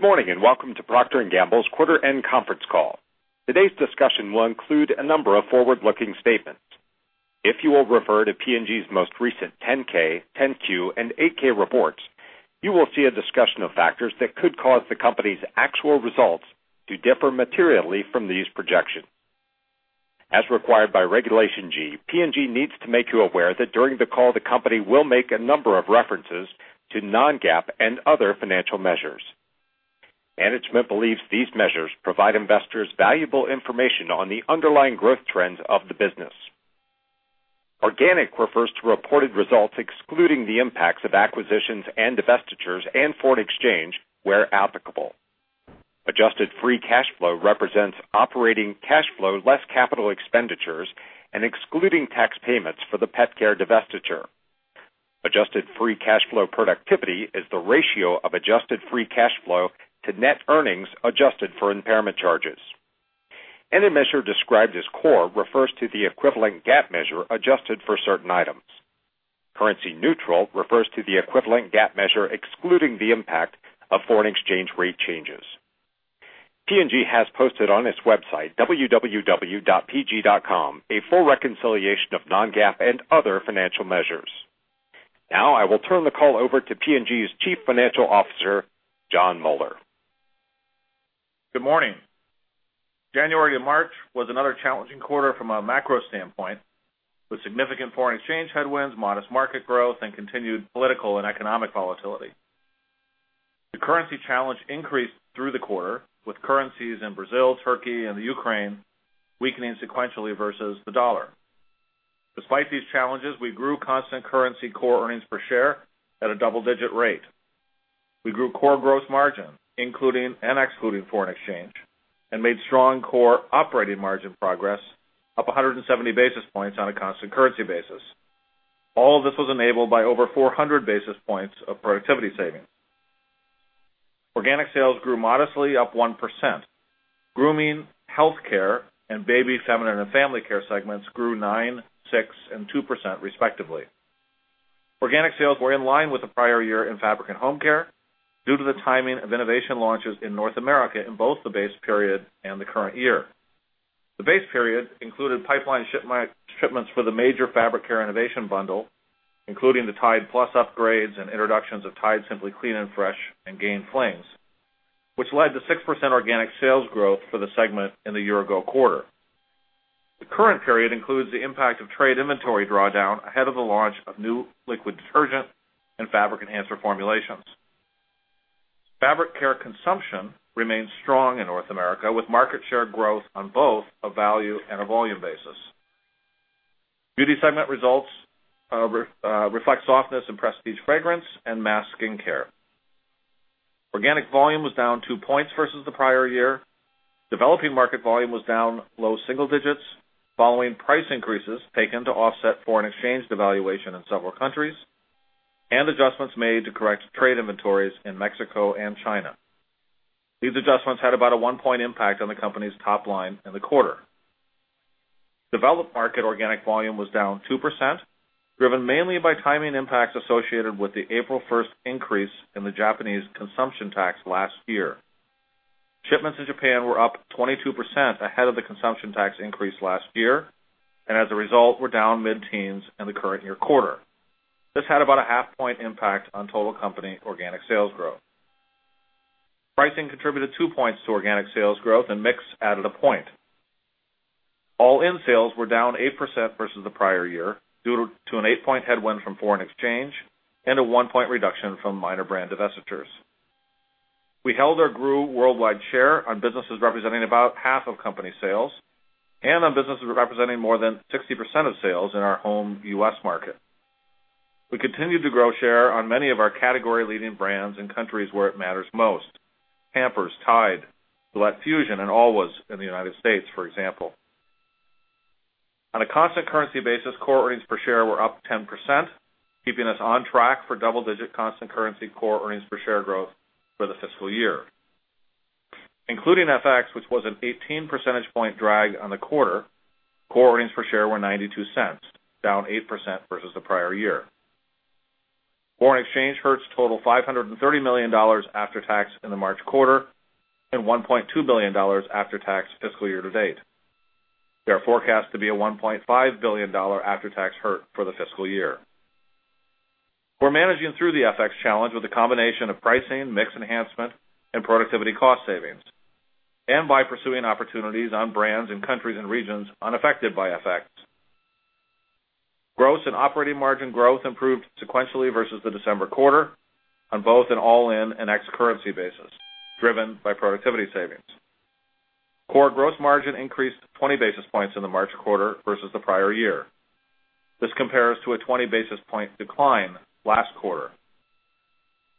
Good morning, and welcome to The Procter & Gamble Company's quarter end conference call. Today's discussion will include a number of forward-looking statements. If you will refer to P&G's most recent 10-K, 10-Q, and 8-K reports, you will see a discussion of factors that could cause the company's actual results to differ materially from these projections. As required by Regulation G, P&G needs to make you aware that during the call, the company will make a number of references to non-GAAP and other financial measures. Management believes these measures provide investors valuable information on the underlying growth trends of the business. Organic refers to reported results, excluding the impacts of acquisitions and divestitures and foreign exchange, where applicable. Adjusted free cash flow represents operating cash flow, less capital expenditures and excluding tax payments for the pet care divestiture. Adjusted free cash flow productivity is the ratio of adjusted free cash flow to net earnings adjusted for impairment charges. Any measure described as core refers to the equivalent GAAP measure adjusted for certain items. Currency neutral refers to the equivalent GAAP measure excluding the impact of foreign exchange rate changes. P&G has posted on its website, www.pg.com, a full reconciliation of non-GAAP and other financial measures. Now I will turn the call over to P&G's Chief Financial Officer, J0:30:44on Moeller. Good morning. January to March was another challenging quarter from a macro standpoint, with significant foreign exchange headwinds, modest market growth, and continued political and economic volatility. The currency challenge increased through the quarter, with currencies in Brazil, Turkey, and Ukraine weakening sequentially versus the dollar. Despite these challenges, we grew constant currency core earnings per share at a double-digit rate. We grew core gross margin, including and excluding foreign exchange, and made strong core operating margin progress, up 170 basis points on a constant currency basis. All of this was enabled by over 400 basis points of productivity savings. Organic sales grew modestly, up 1%. Grooming, healthcare, and baby, feminine, and family care segments grew 9%, 6%, and 2% respectively. Organic sales were in line with the prior year in fabric and home care due to the timing of innovation launches in North America in both the base period and the current year. The base period included pipeline shipments for the major fabric care innovation bundle, including the Tide Plus upgrades and introductions of Tide Simply Clean and Fresh, and Gain Flings, which led to 6% organic sales growth for the segment in the year-ago quarter. The current period includes the impact of trade inventory drawdown ahead of the launch of new liquid detergent and fabric enhancer formulations. Fabric care consumption remains strong in North America, with market share growth on both a value and a volume basis. Beauty segment results reflect softness in prestige fragrance and mass skincare. Organic volume was down two points versus the prior year. Developing market volume was down low single digits following price increases taken to offset foreign exchange devaluation in several countries and adjustments made to correct trade inventories in Mexico and China. These adjustments had about a one-point impact on the company's top line in the quarter. Developed market organic volume was down 2%, driven mainly by timing impacts associated with the April 1st increase in the Japanese consumption tax last year. Shipments in Japan were up 22% ahead of the consumption tax increase last year, and as a result, were down mid-teens in the current year quarter. This had about a half-point impact on total company organic sales growth. Pricing contributed two points to organic sales growth and mix added a point. All-in sales were down 8% versus the prior year, due to an eight-point headwind from foreign exchange and a one-point reduction from minor brand divestitures. We held or grew worldwide share on businesses representing about half of company sales and on businesses representing more than 60% of sales in our home U.S. market. We continued to grow share on many of our category-leading brands in countries where it matters most. Pampers, Tide, Gillette Fusion, and Always in the United States, for example. On a constant currency basis, core earnings per share were up 10%, keeping us on track for double-digit constant currency core earnings per share growth for the fiscal year. Including FX, which was an 18 percentage point drag on the quarter, core earnings per share were $0.92, down 8% versus the prior year. Foreign exchange hurts total $530 million after-tax in the March quarter and $1.2 billion after-tax fiscal year to date. They are forecast to be a $1.5 billion after-tax hurt for the fiscal year. We're managing through the FX challenge with a combination of pricing, mix enhancement, and productivity cost savings, and by pursuing opportunities on brands in countries and regions unaffected by FX. Gross and operating margin growth improved sequentially versus the December quarter on both an all-in and ex currency basis, driven by productivity savings. Core gross margin increased 20 basis points in the March quarter versus the prior year. This compares to a 20 basis point decline last quarter.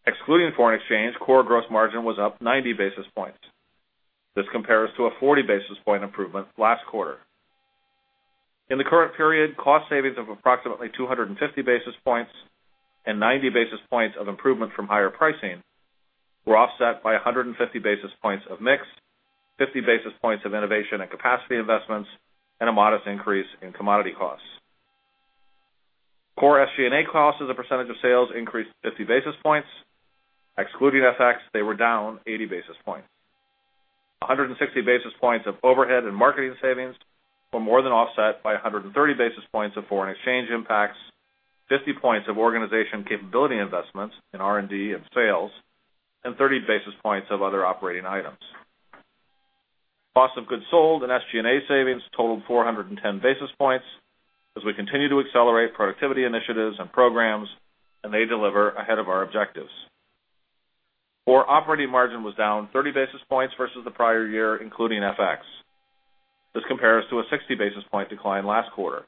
Excluding foreign exchange, core gross margin was up 90 basis points. This compares to a 40 basis point improvement last quarter. In the current period, cost savings of approximately 250 basis points and 90 basis points of improvement from higher pricing were offset by 150 basis points of mix, 50 basis points of innovation and capacity investments, and a modest increase in commodity costs. Core SG&A costs as a percentage of sales increased 50 basis points. Excluding FX, they were down 80 basis points. 160 basis points of overhead and marketing savings were more than offset by 130 basis points of foreign exchange impacts, 50 points of organization capability investments in R&D and sales, and 30 basis points of other operating items. Cost of goods sold and SG&A savings totaled 410 basis points as we continue to accelerate productivity initiatives and programs, and they deliver ahead of our objectives. Core operating margin was down 30 basis points versus the prior year, including FX. This compares to a 60 basis point decline last quarter.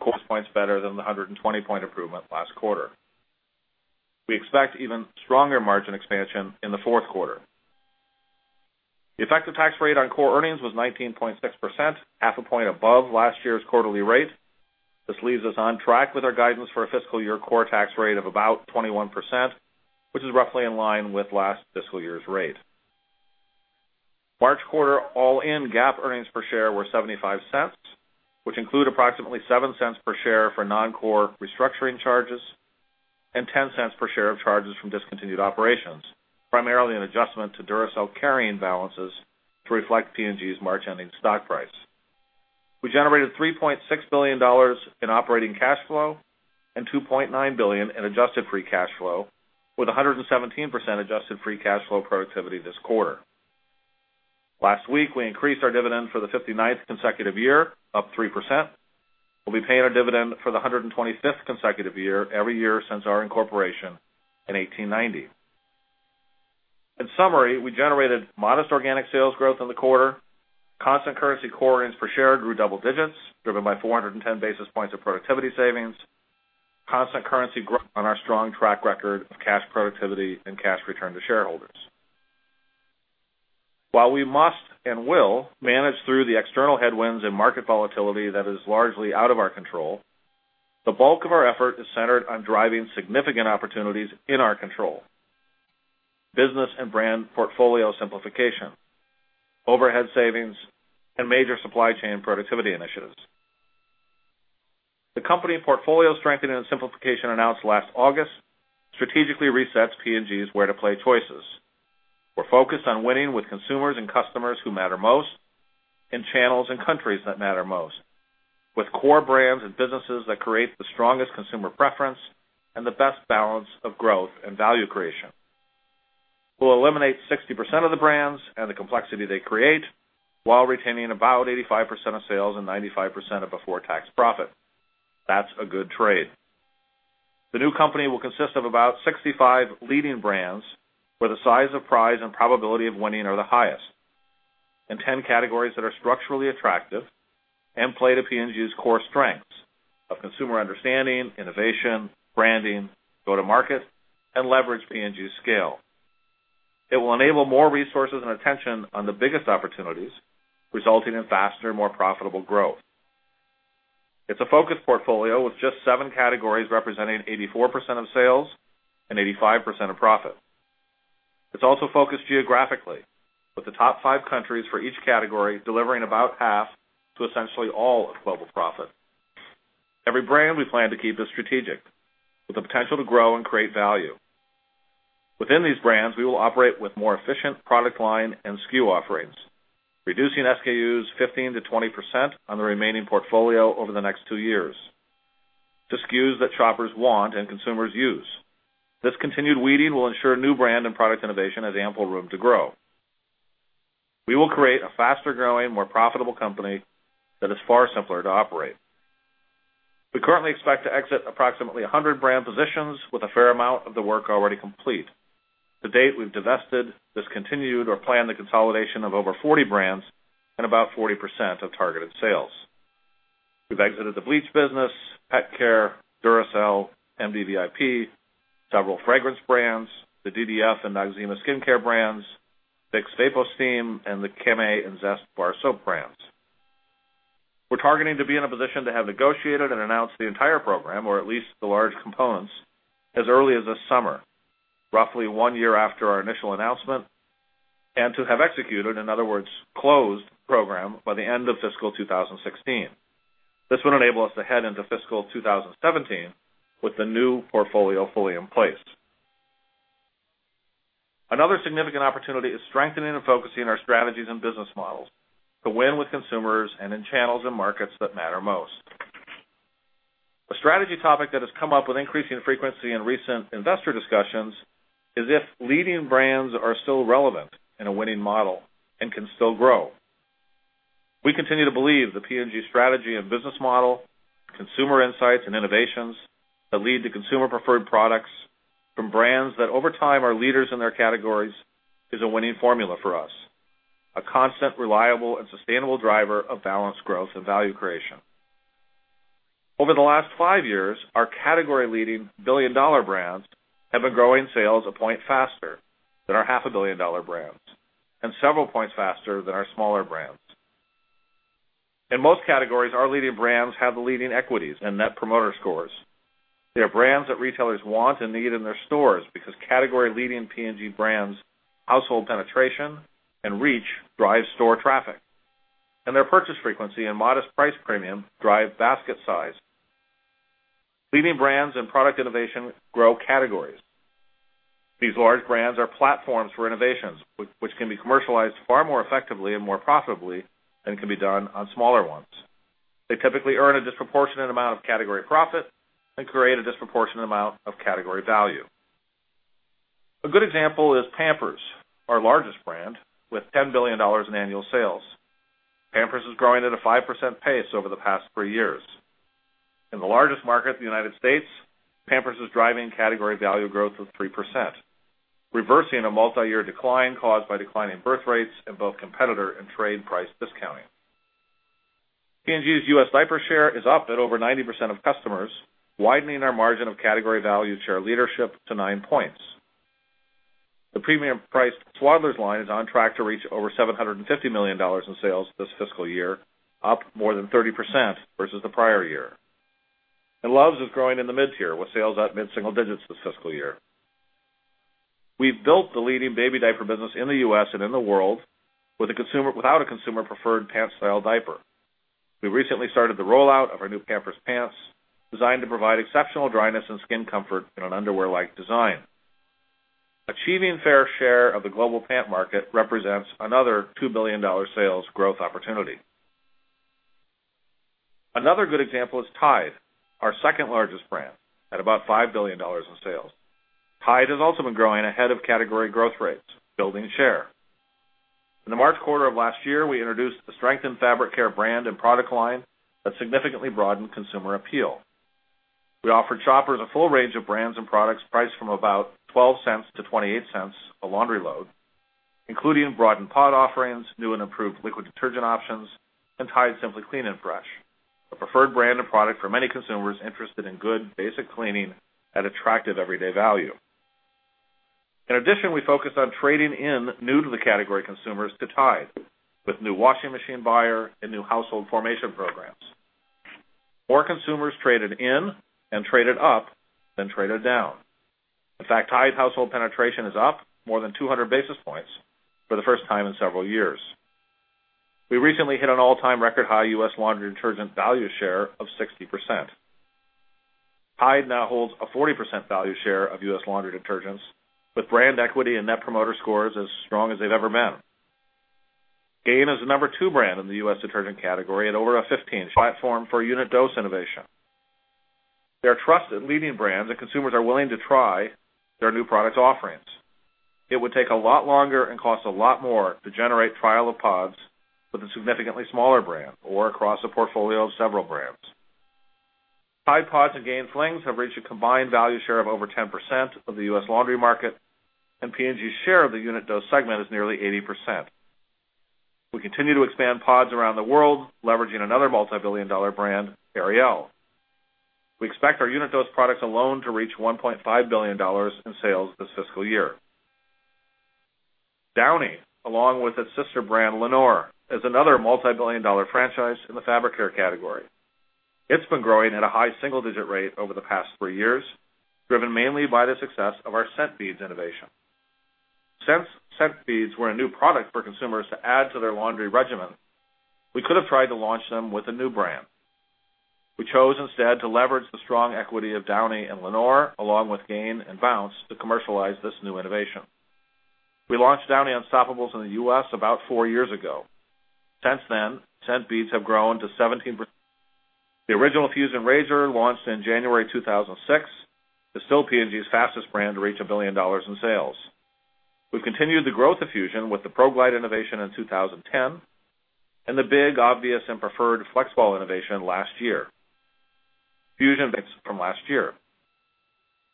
Course points better than the 120 point improvement last quarter. We expect even stronger margin expansion in the fourth quarter. The effective tax rate on core earnings was 19.6%, half a point above last year's quarterly rate. This leaves us on track with our guidance for a fiscal year core tax rate of about 21%, which is roughly in line with last fiscal year's rate. March quarter all-in GAAP EPS were $0.75, which include approximately $0.07 per share for non-core restructuring charges and $0.10 per share of charges from discontinued operations, primarily an adjustment to Duracell carrying balances to reflect P&G's March ending stock price. We generated $3.6 billion in operating cash flow and $2.9 billion in adjusted free cash flow with 117% adjusted free cash flow productivity this quarter. Last week, we increased our dividend for the 59th consecutive year, up 3%. We'll be paying our dividend for the 125th consecutive year every year since our incorporation in 1890. In summary, we generated modest organic sales growth in the quarter. Constant currency core EPS grew double digits, driven by 410 basis points of productivity savings. Constant currency growth on our strong track record of cash productivity and cash return to shareholders. While we must and will manage through the external headwinds and market volatility that is largely out of our control, the bulk of our effort is centered on driving significant opportunities in our control, business and brand portfolio simplification, overhead savings, and major supply chain productivity initiatives. The company portfolio strengthening and simplification announced last August strategically resets P&G's where to play choices. We're focused on winning with consumers and customers who matter most, in channels and countries that matter most, with core brands and businesses that create the strongest consumer preference and the best balance of growth and value creation. We'll eliminate 60% of the brands and the complexity they create while retaining about 85% of sales and 95% of before-tax profit. That's a good trade. The new company will consist of about 65 leading brands where the size of prize and probability of winning are the highest, in 10 categories that are structurally attractive and play to P&G's core strengths of consumer understanding, innovation, branding, go-to-market, and leverage P&G's scale. It will enable more resources and attention on the biggest opportunities, resulting in faster, more profitable growth. It's a focused portfolio with just 7 categories representing 84% of sales and 85% of profit. It's also focused geographically, with the top five countries for each category delivering about half to essentially all of global profit. Every brand we plan to keep is strategic, with the potential to grow and create value. Within these brands, we will operate with more efficient product line and SKU offerings, reducing SKUs 15%-20% on the remaining portfolio over the next two years to SKUs that shoppers want and consumers use. This continued weeding will ensure new brand and product innovation has ample room to grow. We will create a faster growing, more profitable company that is far simpler to operate. We currently expect to exit approximately 100 brand positions with a fair amount of the work already complete. To date, we've divested, discontinued, or planned the consolidation of over 40 brands and about 40% of targeted sales. We've exited the bleach business, pet care, Duracell, MDVIP, several fragrance brands, the DDF and Noxzema skincare brands, Vicks VapoSteam, and the Camay and Zest bar soap brands. We're targeting to be in a position to have negotiated and announced the entire program, or at least the large components, as early as this summer, roughly one year after our initial announcement, and to have executed, in other words, closed the program by the end of fiscal 2016. This would enable us to head into fiscal 2017 with the new portfolio fully in place. Another significant opportunity is strengthening and focusing our strategies and business models to win with consumers and in channels and markets that matter most. A strategy topic that has come up with increasing frequency in recent investor discussions is if leading brands are still relevant in a winning model and can still grow. We continue to believe the P&G strategy and business model, consumer insights, and innovations that lead to consumer-preferred products from brands that over time are leaders in their categories is a winning formula for us, a constant, reliable, and sustainable driver of balanced growth and value creation. Over the last five years, our category-leading billion-dollar brands have been growing sales a point faster than our half-a-billion-dollar brands and several points faster than our smaller brands. In most categories, our leading brands have the leading equities and net promoter scores. They are brands that retailers want and need in their stores because category-leading P&G brands' household penetration and reach drive store traffic. Their purchase frequency and modest price premium drive basket size. Leading brands and product innovation grow categories. These large brands are platforms for innovations, which can be commercialized far more effectively and more profitably than can be done on smaller ones. They typically earn a disproportionate amount of category profit and create a disproportionate amount of category value. A good example is Pampers, our largest brand, with $10 billion in annual sales. Pampers is growing at a 5% pace over the past three years. In the largest market, the United States, Pampers is driving category value growth of 3%, reversing a multi-year decline caused by declining birth rates and both competitor and trade price discounting. P&G's U.S. diaper share is up at over 90% of customers, widening our margin of category value share leadership to nine points. The premium priced Swaddlers line is on track to reach over $750 million in sales this fiscal year, up more than 30% versus the prior year. Luvs is growing in the mid-tier with sales up mid-single digits this fiscal year. We've built the leading baby diaper business in the U.S. and in the world without a consumer preferred pant-style diaper. We recently started the rollout of our new Pampers Pants, designed to provide exceptional dryness and skin comfort in an underwear-like design. Achieving fair share of the global pant market represents another $2 billion sales growth opportunity. Another good example is Tide, our second-largest brand, at about $5 billion in sales. Tide has also been growing ahead of category growth rates, building share. In the March quarter of last year, we introduced the Strengthen Fabric Care brand and product line that significantly broadened consumer appeal. We offered shoppers a full range of brands and products priced from about $0.12 to $0.28 a laundry load, including broadened pod offerings, new and improved liquid detergent options, and Tide Simply Clean and Fresh, a preferred brand of product for many consumers interested in good basic cleaning at attractive everyday value. In addition, we focused on trading in new to the category consumers to Tide with new washing machine buyer and new household formation programs. More consumers traded in and traded up than traded down. In fact, Tide household penetration is up more than 200 basis points for the first time in several years. We recently hit an all-time record high U.S. laundry detergent value share of 60%. Tide now holds a 40% value share of U.S. laundry detergents with brand equity and net promoter scores as strong as they've ever been. Gain is the number two brand in the U.S. detergent category at over a 15 platform for unit dose innovation. They're trusted leading brands, and consumers are willing to try their new products offerings. It would take a lot longer and cost a lot more to generate trial of pods with a significantly smaller brand or across a portfolio of several brands. Tide PODS and Gain Flings have reached a combined value share of over 10% of the U.S. laundry market, and P&G's share of the unit dose segment is nearly 80%. We continue to expand pods around the world, leveraging another multibillion-dollar brand, Ariel. We expect our unit dose products alone to reach $1.5 billion in sales this fiscal year. Downy, along with its sister brand, Lenor, is another multibillion-dollar franchise in the fabric care category. It's been growing at a high single-digit rate over the past three years, driven mainly by the success of our scent beads innovation. Since scent beads were a new product for consumers to add to their laundry regimen, we could have tried to launch them with a new brand. We chose instead to leverage the strong equity of Downy and Lenor, along with Gain and Bounce, to commercialize this new innovation. We launched Downy Unstoppables in the U.S. about four years ago. Since then, scent beads have grown to 17. The original Fusion razor launched in January 2006, is still P&G's fastest brand to reach $1 billion in sales. We've continued the growth of Fusion with the ProGlide innovation in 2010 and the big obvious and preferred FlexBall innovation last year.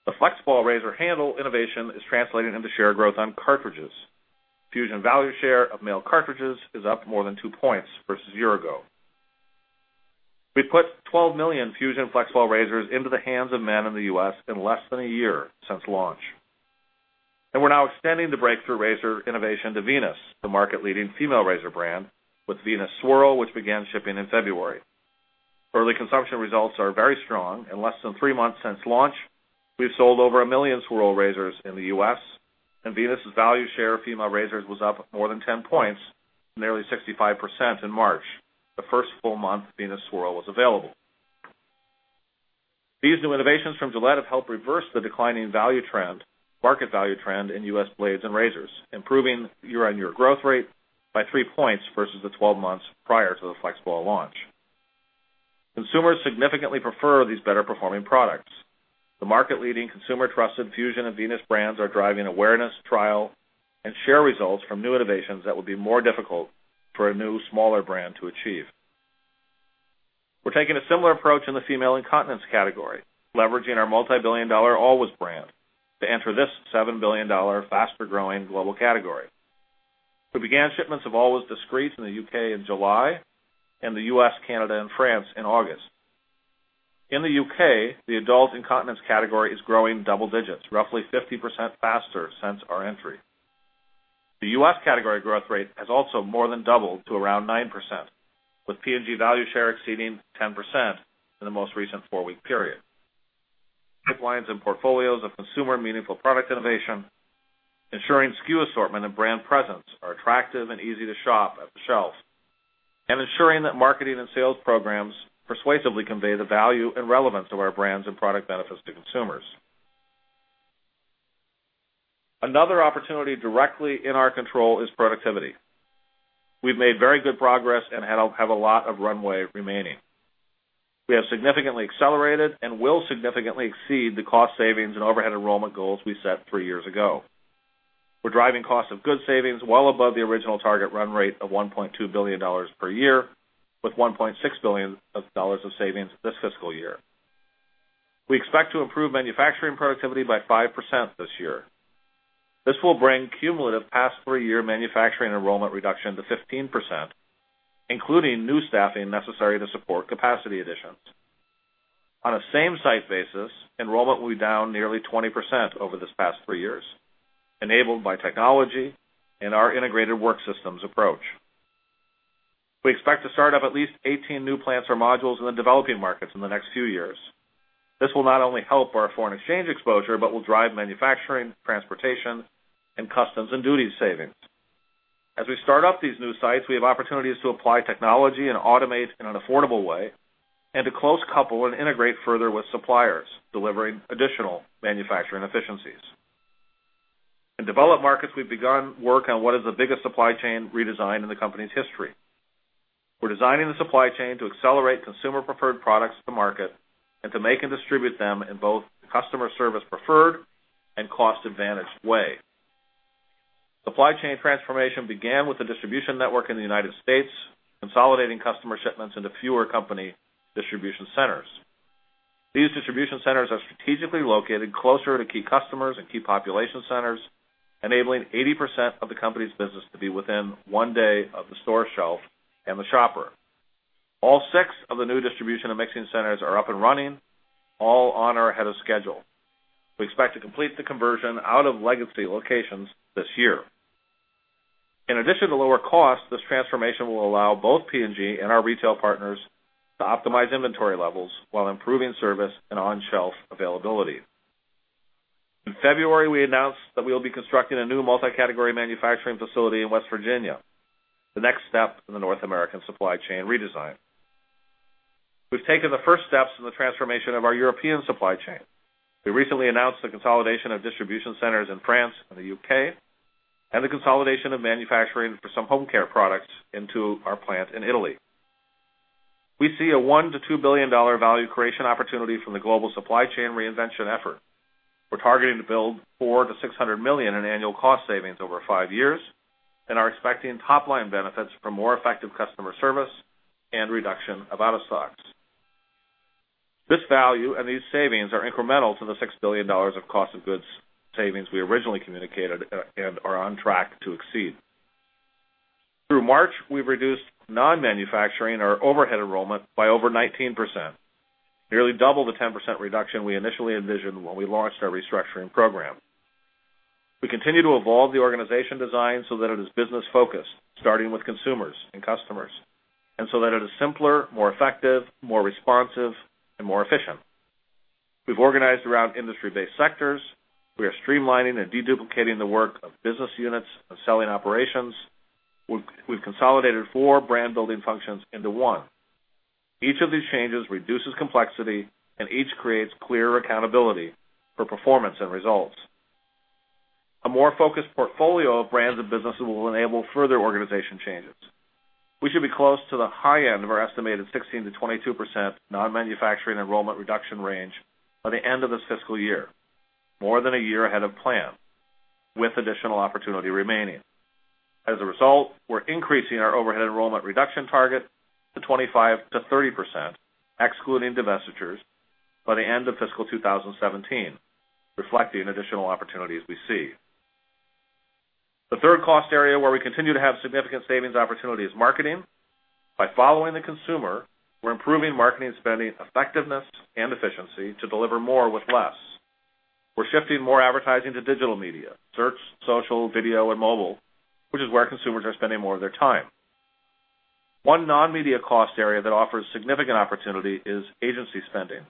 The FlexBall razor handle innovation is translating into share growth on cartridges. Fusion value share of male cartridges is up more than two points versus a year ago. We put 12 million Fusion FlexBall razors into the hands of men in the U.S. in less than a year since launch. We're now extending the breakthrough razor innovation to Venus, the market leading female razor brand with Venus Swirl, which began shipping in February. Early consumption results are very strong. In less than three months since launch, we've sold over a million Swirl razors in the U.S., and Venus' value share of female razors was up more than 10 points, nearly 65% in March, the first full month Venus Swirl was available. These new innovations from Gillette have helped reverse the declining market value trend in U.S. blades and razors, improving year-on-year growth rate by three points versus the 12 months prior to the FlexBall launch. Consumers significantly prefer these better-performing products. The market leading consumer trusted Fusion and Venus brands are driving awareness, trial, and share results from new innovations that will be more difficult for a new, smaller brand to achieve. We're taking a similar approach in the female incontinence category, leveraging our multibillion-dollar Always brand to enter this $7 billion faster-growing global category. We began shipments of Always Discreet in the U.K. in July and the U.S., Canada, and France in August. In the U.K., the adult incontinence category is growing double digits, roughly 50% faster since our entry. The U.S. category growth rate has also more than doubled to around 9%, with P&G value share exceeding 10% in the most recent four-week period. Pipelines and portfolios of consumer meaningful product innovation, ensuring SKU assortment and brand presence are attractive and easy to shop at the shelves, and ensuring that marketing and sales programs persuasively convey the value and relevance of our brands and product benefits to consumers. Another opportunity directly in our control is productivity. We've made very good progress and have a lot of runway remaining. We have significantly accelerated and will significantly exceed the cost savings and overhead enrollment goals we set three years ago. We're driving cost of goods savings well above the original target run rate of $1.2 billion per year, with $1.6 billion of savings this fiscal year. We expect to improve manufacturing productivity by 5% this year. This will bring cumulative past three-year manufacturing enrollment reduction to 15%, including new staffing necessary to support capacity additions. On a same site basis, enrollment will be down nearly 20% over this past three years, enabled by technology and our integrated work systems approach. We expect to start up at least 18 new plants or modules in the developing markets in the next few years. This will not only help our foreign exchange exposure, but will drive manufacturing, transportation, and customs and duty savings. As we start up these new sites, we have opportunities to apply technology and automate in an affordable way, and to close couple and integrate further with suppliers, delivering additional manufacturing efficiencies. In developed markets, we've begun work on what is the biggest supply chain redesign in the company's history. We're designing the supply chain to accelerate consumer preferred products to market, and to make and distribute them in both customer service preferred and cost-advantaged way. Supply chain transformation began with the distribution network in the United States, consolidating customer shipments into fewer company distribution centers. These distribution centers are strategically located closer to key customers and key population centers, enabling 80% of the company's business to be within one day of the store shelf and the shopper. All six of the new distribution and mixing centers are up and running, all on or ahead of schedule. We expect to complete the conversion out of legacy locations this year. In addition to lower cost, this transformation will allow both P&G and our retail partners to optimize inventory levels while improving service and on-shelf availability. In February, we announced that we'll be constructing a new multi-category manufacturing facility in West Virginia, the next step in the North American supply chain redesign. We've taken the first steps in the transformation of our European supply chain. We recently announced the consolidation of distribution centers in France and the U.K., and the consolidation of manufacturing for some home care products into our plant in Italy. We see a $1 billion-$2 billion value creation opportunity from the global supply chain reinvention effort. We're targeting to build $400 million-$600 million in annual cost savings over 5 years, and are expecting top-line benefits for more effective customer service and reduction of out-of-stocks. This value and these savings are incremental to the $6 billion of cost of goods savings we originally communicated and are on track to exceed. Through March, we've reduced non-manufacturing or overhead enrollment by over 19%, nearly double the 10% reduction we initially envisioned when we launched our restructuring program. We continue to evolve the organization design so that it is business-focused, starting with consumers and customers, and so that it is simpler, more effective, more responsive, and more efficient. We've organized around industry-based sectors. We are streamlining and de-duplicating the work of business units and selling operations. We've consolidated four brand-building functions into one. Each of these changes reduces complexity, and each creates clearer accountability for performance and results. A more focused portfolio of brands and businesses will enable further organization changes. We should be close to the high end of our estimated 16%-22% non-manufacturing enrollment reduction range by the end of this fiscal year, more than a year ahead of plan, with additional opportunity remaining. As a result, we're increasing our overhead enrollment reduction target to 25%-30%, excluding divestitures, by the end of fiscal 2017, reflecting additional opportunities we see. The third cost area where we continue to have significant savings opportunity is marketing. By following the consumer, we're improving marketing spending effectiveness and efficiency to deliver more with less. We're shifting more advertising to digital media, search, social, video, and mobile, which is where consumers are spending more of their time. One non-media cost area that offers significant opportunity is agency spending,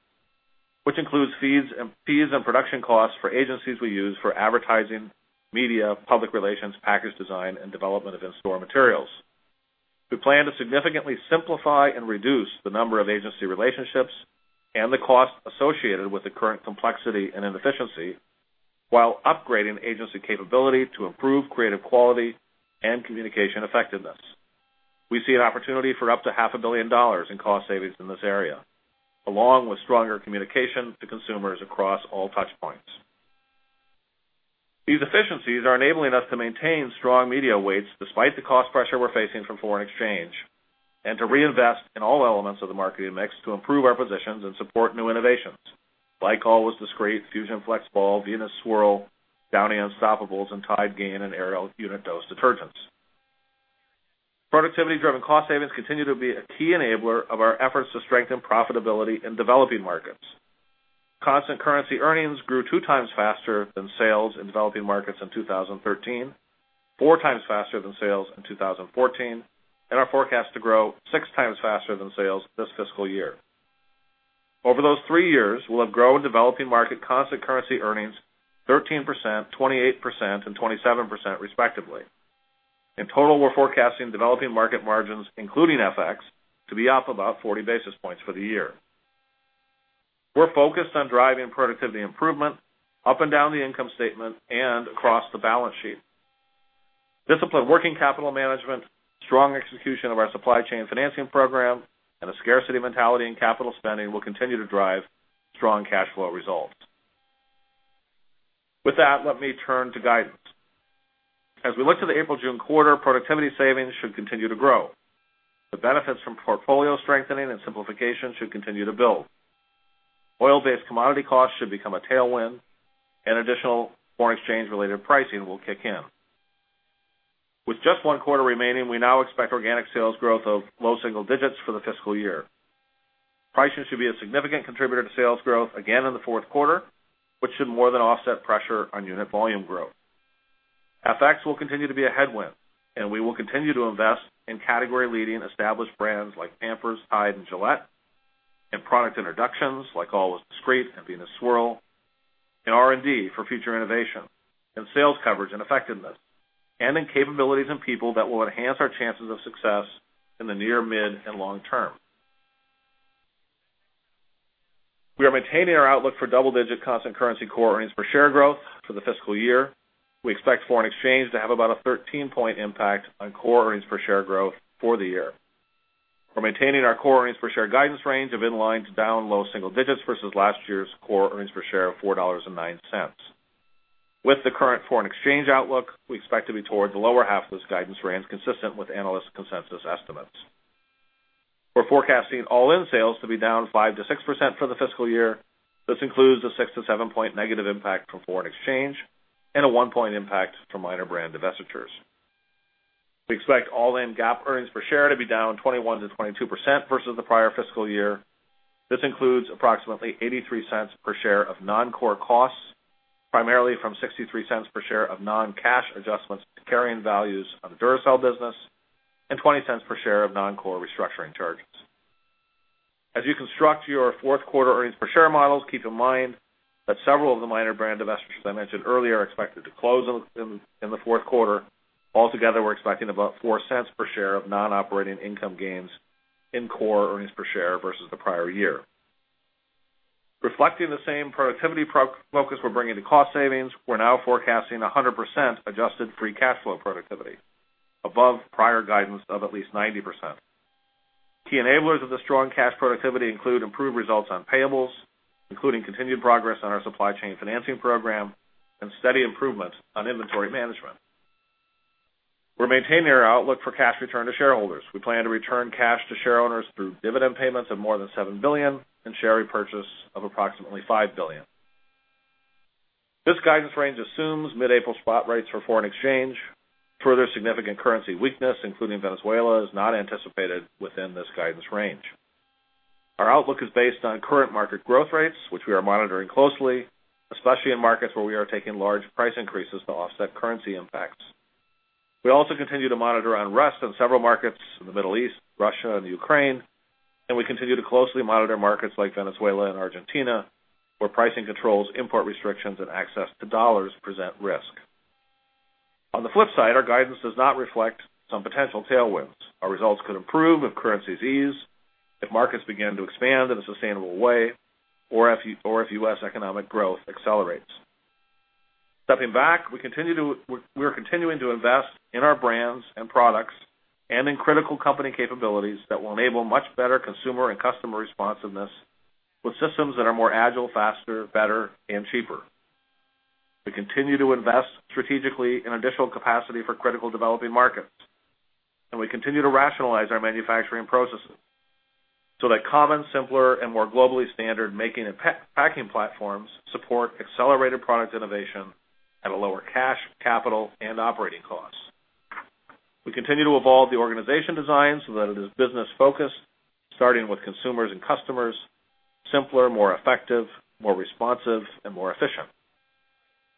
which includes fees and production costs for agencies we use for advertising, media, public relations, package design, and development of in-store materials. We plan to significantly simplify and reduce the number of agency relationships and the cost associated with the current complexity and inefficiency while upgrading agency capability to improve creative quality and communication effectiveness. We see an opportunity for up to half a billion dollars in cost savings in this area, along with stronger communication to consumers across all touch points. These efficiencies are enabling us to maintain strong media weights despite the cost pressure we're facing from foreign exchange, and to reinvest in all elements of the marketing mix to improve our positions and support new innovations, like Always Discreet, Fusion FlexBall, Venus Swirl, Downy Unstoppables, and Tide, Gain and Ariel unit dose detergents. Productivity-driven cost savings continue to be a key enabler of our efforts to strengthen profitability in developing markets. Constant currency earnings grew two times faster than sales in developing markets in 2013. Four times faster than sales in 2014, and are forecast to grow six times faster than sales this fiscal year. Over those three years, we'll have grown developing market constant currency earnings 13%, 28%, and 27% respectively. In total, we're forecasting developing market margins, including FX, to be up about 40 basis points for the year. We're focused on driving productivity improvement up and down the income statement and across the balance sheet. Disciplined working capital management, strong execution of our supply chain financing program, and a scarcity mentality in capital spending will continue to drive strong cash flow results. With that, let me turn to guidance. As we look to the April-June quarter, productivity savings should continue to grow. The benefits from portfolio strengthening and simplification should continue to build. Oil-based commodity costs should become a tailwind, and additional foreign exchange-related pricing will kick in. With just one quarter remaining, we now expect organic sales growth of low single digits for the fiscal year. Pricing should be a significant contributor to sales growth again in the fourth quarter, which should more than offset pressure on unit volume growth. FX will continue to be a headwind. We will continue to invest in category-leading established brands like Pampers, Tide, and Gillette, in product introductions like Always Discreet and Venus Swirl, in R&D for future innovation, in sales coverage and effectiveness, and in capabilities and people that will enhance our chances of success in the near, mid, and long term. We are maintaining our outlook for double-digit constant currency core earnings per share growth for the fiscal year. We expect foreign exchange to have about a 13-point impact on core earnings per share growth for the year. We're maintaining our core earnings per share guidance range of in line to down low single digits versus last year's core earnings per share of $4.09. With the current foreign exchange outlook, we expect to be towards the lower half of this guidance range, consistent with analyst consensus estimates. We're forecasting all-in sales to be down 5%-6% for the fiscal year. This includes a six- to seven-point negative impact from foreign exchange and a one-point impact from minor brand divestitures. We expect all-in GAAP earnings per share to be down 21%-22% versus the prior fiscal year. This includes approximately $0.83 per share of non-core costs, primarily from $0.63 per share of non-cash adjustments to carrying values of the Duracell business, and $0.20 per share of non-core restructuring charges. As you construct your fourth quarter earnings per share models, keep in mind that several of the minor brand divestitures I mentioned earlier are expected to close in the fourth quarter. Altogether, we're expecting about $0.04 per share of non-operating income gains in core earnings per share versus the prior year. Reflecting the same productivity focus we're bringing to cost savings, we're now forecasting 100% adjusted free cash flow productivity, above prior guidance of at least 90%. Key enablers of the strong cash productivity include improved results on payables, including continued progress on our supply chain financing program, and steady improvements on inventory management. We're maintaining our outlook for cash return to shareholders. We plan to return cash to shareowners through dividend payments of more than $7 billion and share repurchase of approximately $5 billion. This guidance range assumes mid-April spot rates for foreign exchange. Further significant currency weakness, including Venezuela, is not anticipated within this guidance range. Our outlook is based on current market growth rates, which we are monitoring closely, especially in markets where we are taking large price increases to offset currency impacts. We also continue to monitor unrest in several markets in the Middle East, Russia, and Ukraine. We continue to closely monitor markets like Venezuela and Argentina, where pricing controls, import restrictions, and access to dollars present risk. On the flip side, our guidance does not reflect some potential tailwinds. Our results could improve if currencies ease, if markets begin to expand in a sustainable way, or if U.S. economic growth accelerates. Stepping back, we are continuing to invest in our brands and products and in critical company capabilities that will enable much better consumer and customer responsiveness with systems that are more agile, faster, better, and cheaper. We continue to invest strategically in additional capacity for critical developing markets. We continue to rationalize our manufacturing processes so that common, simpler, and more globally standard making and packing platforms support accelerated product innovation at a lower cash, capital, and operating costs. We continue to evolve the organization design so that it is business-focused, starting with consumers and customers, simpler, more effective, more responsive, and more efficient.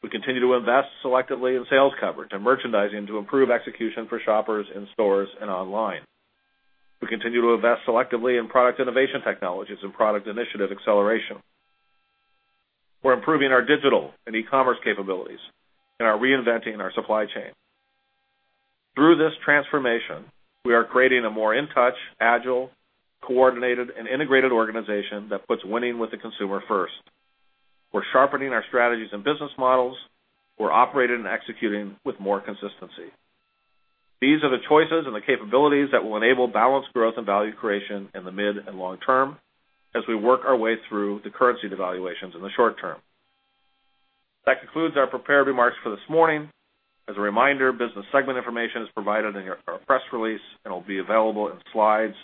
We continue to invest selectively in sales coverage and merchandising to improve execution for shoppers in stores and online. We continue to invest selectively in product innovation technologies and product initiative acceleration. We're improving our digital and e-commerce capabilities and are reinventing our supply chain. Through this transformation, we are creating a more in-touch, agile, coordinated, and integrated organization that puts winning with the consumer first. We're sharpening our strategies and business models. We're operating and executing with more consistency. These are the choices and the capabilities that will enable balanced growth and value creation in the mid and long term as we work our way through the currency devaluations in the short term. That concludes our prepared remarks for this morning. As a reminder, business segment information is provided in our press release and will be available in slides,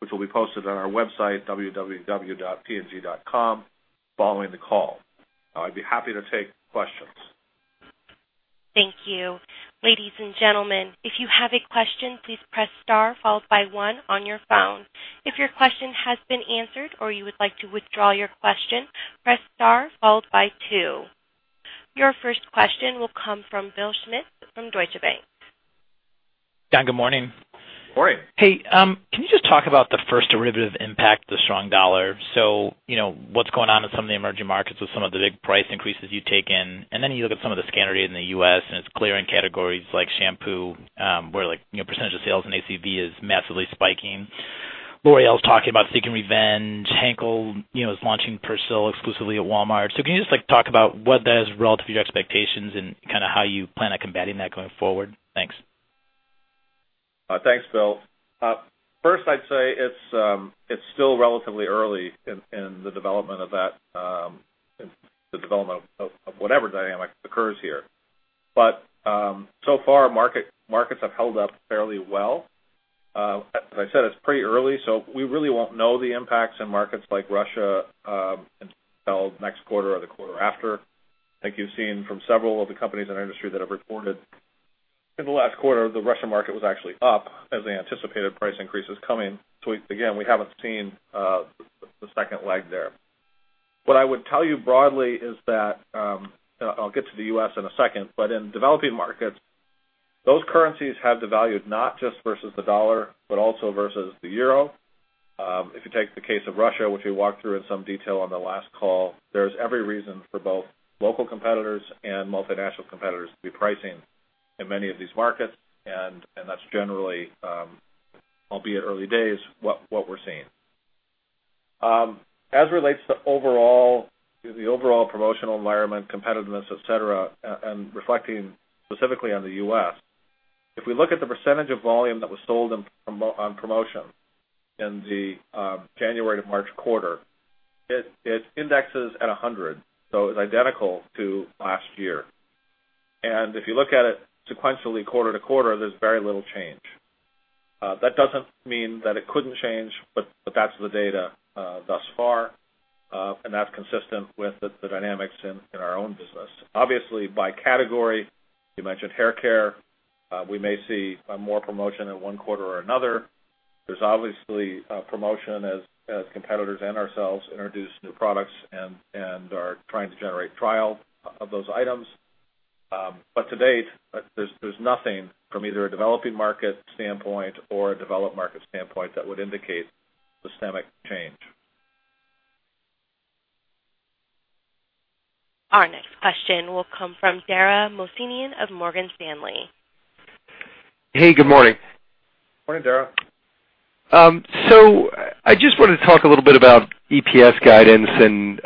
which will be posted on our website, www.pg.com, following the call. Now, I'd be happy to take questions. Thank you. Ladies and gentlemen, if you have a question, please press Followed by one on your phone. If your question has been answered or you would like to withdraw your question, press star followed by two. Your first question will come from Bill Schmitz from Deutsche Bank. Jon, good morning. Morning. Hey, can you just talk about the first derivative impact of the strong dollar? What's going on in some of the emerging markets with some of the big price increases you've taken, then you look at some of the scan data in the U.S., and it's clear in categories like shampoo, where % of sales in ACV is massively spiking. L'Oréal's talking about seeking revenge. Henkel is launching Persil exclusively at Walmart. Can you just talk about what that is relative to your expectations and how you plan on combating that going forward? Thanks. Thanks, Bill. First I'd say it's still relatively early in the development of whatever dynamic occurs here. Markets have held up fairly well. As I said, it's pretty early, we really won't know the impacts in markets like Russia until next quarter or the quarter after. I think you've seen from several of the companies in our industry that have reported in the last quarter, the Russian market was actually up as they anticipated price increases coming. Again, we haven't seen the second leg there. What I would tell you broadly is that, I'll get to the U.S. in a second, but in developing markets, those currencies have devalued not just versus the dollar, but also versus the euro. If you take the case of Russia, which we walked through in some detail on the last call, there's every reason for both local competitors and multinational competitors to be pricing in many of these markets, and that's generally, albeit early days, what we're seeing. As it relates to the overall promotional environment, competitiveness, et cetera, and reflecting specifically on the U.S., if we look at the % of volume that was sold on promotion in the January to March quarter, it indexes at 100, it was identical to last year. If you look at it sequentially quarter-to-quarter, there's very little change. That doesn't mean that it couldn't change, but that's the data thus far. That's consistent with the dynamics in our own business. Obviously, by category, you mentioned hair care. We may see more promotion in one quarter or another. There's obviously promotion as competitors and ourselves introduce new products and are trying to generate trial of those items. To date, there's nothing from either a developing market standpoint or a developed market standpoint that would indicate systemic change. Our next question will come from Dara Mohsenian of Morgan Stanley. Hey, good morning. Morning, Dara. I just wanted to talk a little bit about EPS guidance and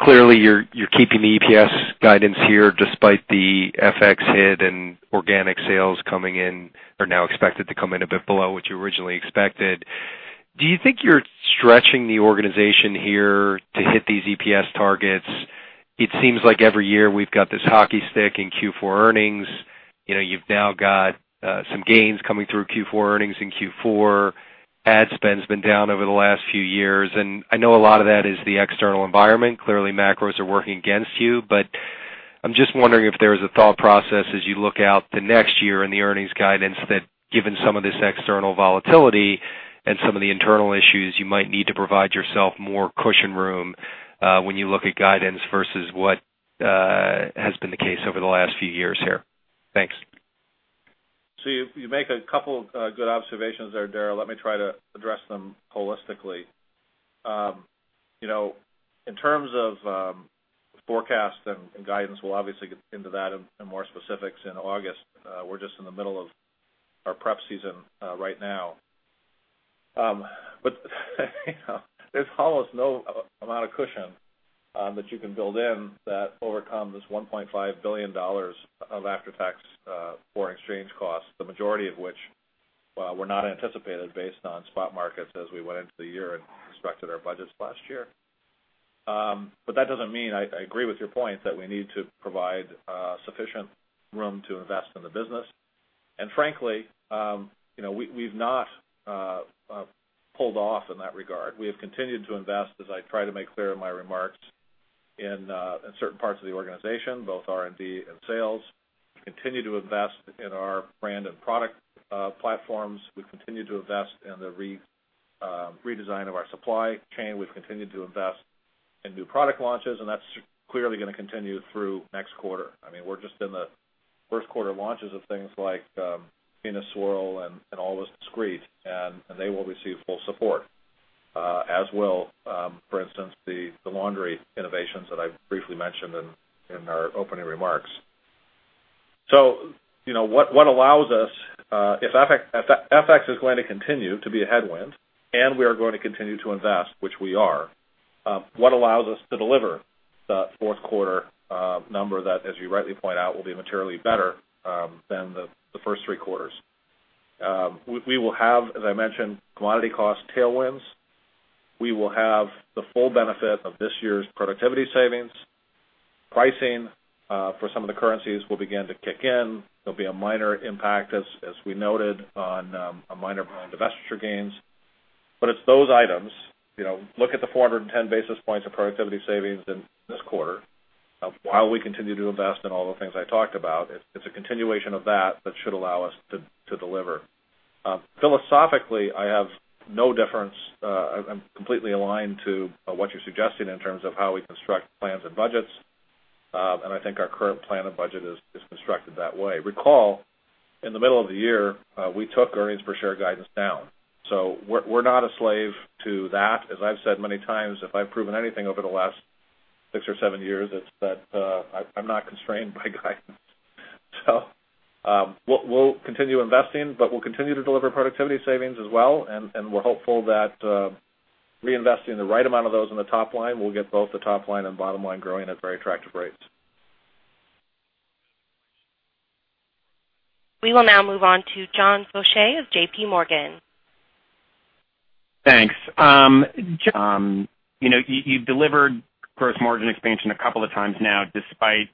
clearly you're keeping the EPS guidance here despite the FX hit and organic sales coming in, or now expected to come in a bit below what you originally expected. Do you think you're stretching the organization here to hit these EPS targets? It seems like every year we've got this hockey stick in Q4 earnings. You've now got some gains coming through Q4 earnings in Q4. Ad spend's been down over the last few years, and I know a lot of that is the external environment. Clearly, macros are working against you. I'm just wondering if there's a thought process as you look out to next year and the earnings guidance that given some of this external volatility and some of the internal issues, you might need to provide yourself more cushion room, when you look at guidance versus what has been the case over the last few years here. Thanks. You make a couple good observations there, Dara. Let me try to address them holistically. In terms of forecast and guidance, we'll obviously get into that in more specifics in August. We're just in the middle of our prep season right now. There's almost no amount of cushion that you can build in that overcome this $1.5 billion of after-tax foreign exchange costs, the majority of which were not anticipated based on spot markets as we went into the year and constructed our budgets last year. That doesn't mean, I agree with your point, that we need to provide sufficient room to invest in the business. Frankly, we've not pulled off in that regard. We have continued to invest, as I try to make clear in my remarks, in certain parts of the organization, both R&D and sales. We continue to invest in our brand and product platforms. We continue to invest in the redesign of our supply chain. We've continued to invest in new product launches. That's clearly going to continue through next quarter. We're just in the first quarter launches of things like Venus Swirl and Always Discreet, and they will receive full support, as will, for instance, the laundry innovations that I briefly mentioned in our opening remarks. If FX is going to continue to be a headwind and we are going to continue to invest, which we are, what allows us to deliver the fourth quarter number that, as you rightly point out, will be materially better than the first three quarters? We will have, as I mentioned, commodity cost tailwinds. We will have the full benefit of this year's productivity savings. Pricing for some of the currencies will begin to kick in. There will be a minor impact, as we noted, on a minor amount of divestiture gains. It's those items. Look at the 410 basis points of productivity savings in this quarter, while we continue to invest in all the things I talked about. It's a continuation of that should allow us to deliver. Philosophically, I have no difference. I'm completely aligned to what you're suggesting in terms of how we construct plans and budgets. I think our current plan and budget is constructed that way. Recall, in the middle of the year, we took earnings per share guidance down. We're not a slave to that. As I've said many times, if I've proven anything over the last six or seven years, it's that I'm not constrained by guidance. We'll continue investing, but we'll continue to deliver productivity savings as well, and we're hopeful that, reinvesting the right amount of those in the top line will get both the top line and bottom line growing at very attractive rates. We will now move on to John Faucher of JPMorgan. Thanks. John, you've delivered gross margin expansion a couple of times now despite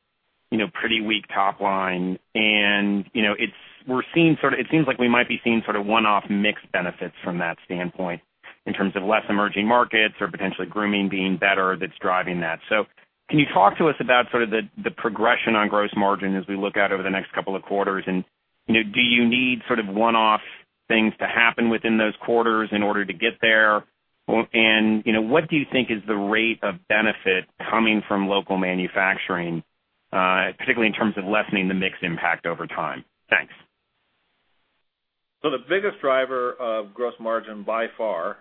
pretty weak top line. It seems like we might be seeing sort of one-off mix benefits from that standpoint in terms of less emerging markets or potentially grooming being better that's driving that. Can you talk to us about sort of the progression on gross margin as we look out over the next couple of quarters? Do you need sort of one-off things to happen within those quarters in order to get there? What do you think is the rate of benefit coming from local manufacturing, particularly in terms of lessening the mix impact over time? Thanks. The biggest driver of gross margin by far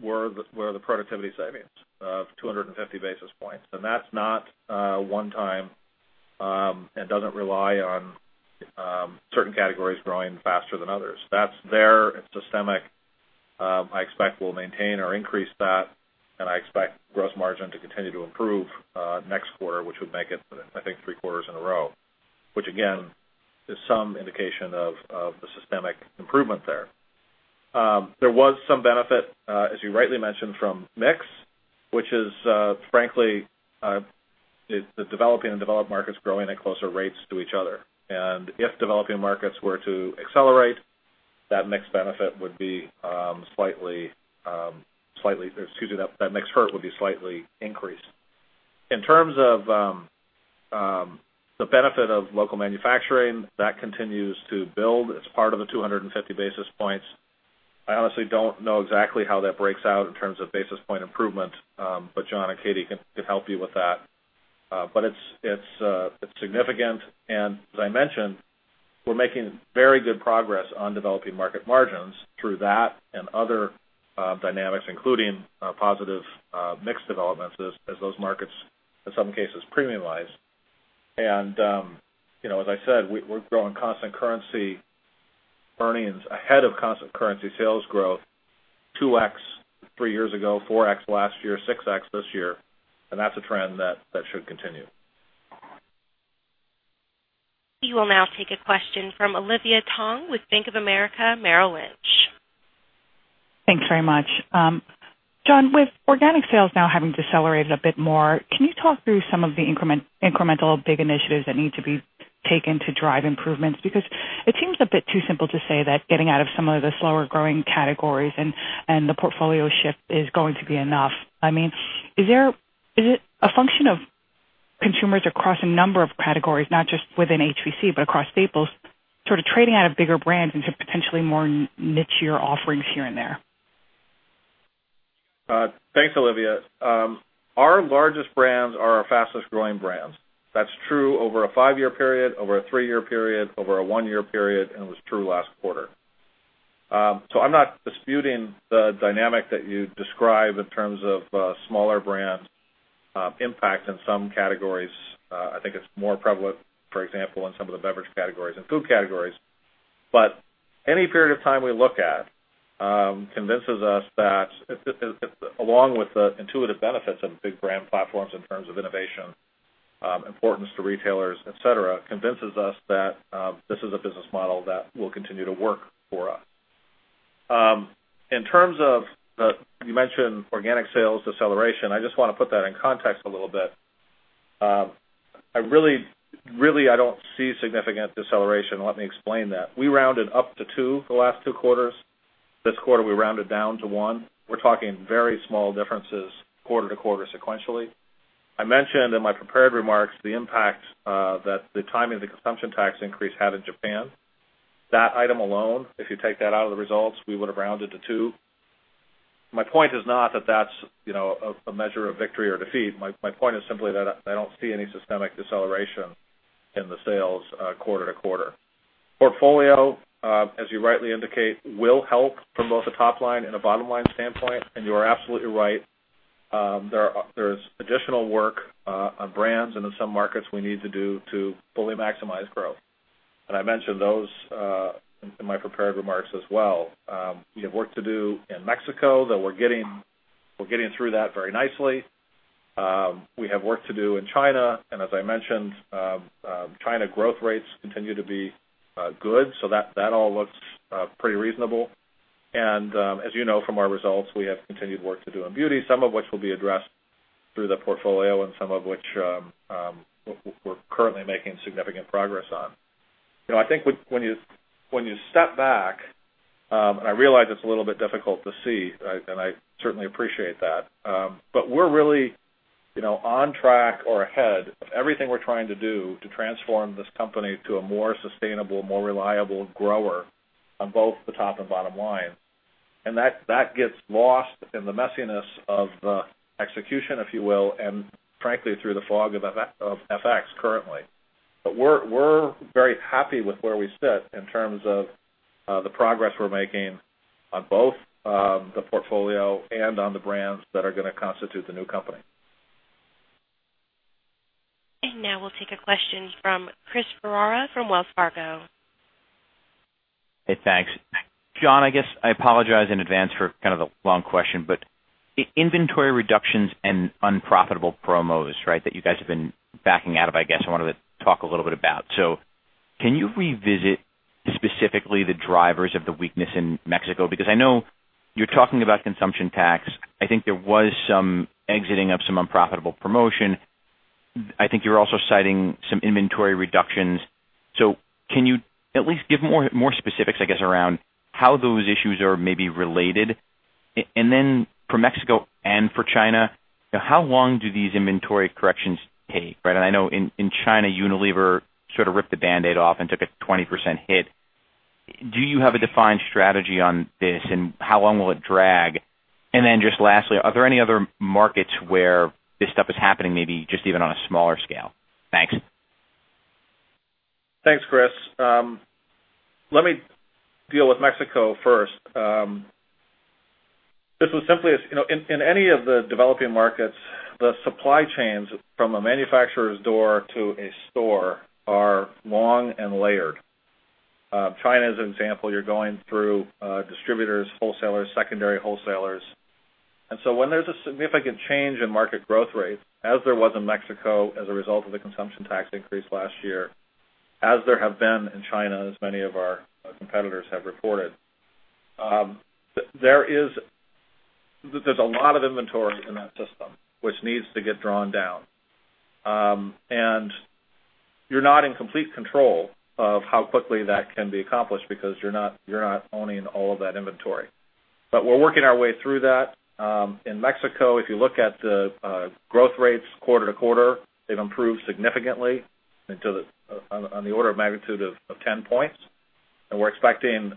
were the productivity savings of 250 basis points. That's not one time and doesn't rely on certain categories growing faster than others. That's there. It's systemic. I expect we'll maintain or increase that, and I expect gross margin to continue to improve next quarter, which would make it I think three quarters in a row, which again, is some indication of the systemic improvement there. There was some benefit, as you rightly mentioned, from mix, which is frankly the developing and developed markets growing at closer rates to each other. If developing markets were to accelerate, that mix hurt would be slightly increased. In terms of the benefit of local manufacturing that continues to build. It's part of the 250 basis points. I honestly don't know exactly how that breaks out in terms of basis point improvement. John and Katie can help you with that. It's significant. As I mentioned, we're making very good progress on developing market margins through that and other dynamics, including positive mix developments as those markets in some cases premiumize. As I said, we're growing constant currency earnings ahead of constant currency sales growth, 2x three years ago, 4x last year, 6x this year. That's a trend that should continue. We will now take a question from Olivia Tong with Bank of America Merrill Lynch. Thanks very much. Jon, with organic sales now having decelerated a bit more, can you talk through some of the incremental big initiatives that need to be taken to drive improvements? Because it seems a bit too simple to say that getting out of some of the slower-growing categories and the portfolio shift is going to be enough. Is it a function of consumers across a number of categories, not just within HPC, but across Staples, sort of trading out of bigger brands into potentially more niche-ier offerings here and there? Thanks, Olivia. Our largest brands are our fastest-growing brands. That's true over a five-year period, over a three-year period, over a one-year period, and it was true last quarter. I'm not disputing the dynamic that you describe in terms of smaller brands' impact in some categories. I think it's more prevalent, for example, in some of the beverage categories and food categories. Any period of time we look at convinces us that, along with the intuitive benefits of big brand platforms in terms of innovation, importance to retailers, et cetera, convinces us that this is a business model that will continue to work for us. In terms of, you mentioned organic sales deceleration, I just want to put that in context a little bit. Really, I don't see significant deceleration. Let me explain that. We rounded up to two the last two quarters. This quarter, we rounded down to one. We're talking very small differences quarter-to-quarter sequentially. I mentioned in my prepared remarks the impact that the timing of the consumption tax increase had in Japan. That item alone, if you take that out of the results, we would have rounded to two. My point is not that that's a measure of victory or defeat. My point is simply that I don't see any systemic deceleration in the sales, quarter-to-quarter. Portfolio, as you rightly indicate, will help from both a top-line and a bottom-line standpoint, and you are absolutely right. There's additional work on brands and in some markets we need to do to fully maximize growth. I mentioned those in my prepared remarks as well. We have work to do in Mexico that we're getting through that very nicely. We have work to do in China, as I mentioned, China growth rates continue to be good, so that all looks pretty reasonable. As you know from our results, we have continued work to do in beauty, some of which will be addressed through the portfolio and some of which we're currently making significant progress on. I think when you step back, and I realize it's a little bit difficult to see, and I certainly appreciate that. We're really on track or ahead of everything we're trying to do to transform this company to a more sustainable, more reliable grower on both the top and bottom line. That gets lost in the messiness of the execution, if you will, and frankly, through the fog of FX currently. We're very happy with where we sit in terms of the progress we're making on both the portfolio and on the brands that are going to constitute the new company. Now we'll take a question from Chris Ferrara from Wells Fargo. Hey, thanks. Jon, I guess I apologize in advance for kind of the long question, inventory reductions and unprofitable promos, that you guys have been backing out of, I guess I wanted to talk a little bit about. Can you revisit specifically the drivers of the weakness in Mexico? Because I know you're talking about consumption tax. I think there was some exiting of some unprofitable promotion. I think you're also citing some inventory reductions. Can you at least give more specifics, I guess, around how those issues are maybe related? Then for Mexico and for China, how long do these inventory corrections take? I know in China, Unilever sort of ripped the Band-Aid off and took a 20% hit. Do you have a defined strategy on this, and how long will it drag? Then just lastly, are there any other markets where this stuff is happening, maybe just even on a smaller scale? Thanks. Thanks, Chris. Let me deal with Mexico first. In any of the developing markets, the supply chains from a manufacturer's door to a store are long and layered. China, as an example, you're going through distributors, wholesalers, secondary wholesalers. When there's a significant change in market growth rate, as there was in Mexico as a result of the consumption tax increase last year, as there have been in China, as many of our competitors have reported. There's a lot of inventory in that system which needs to get drawn down. You're not in complete control of how quickly that can be accomplished because you're not owning all of that inventory. We're working our way through that. In Mexico, if you look at the growth rates quarter to quarter, they've improved significantly on the order of magnitude of 10 points. We're expecting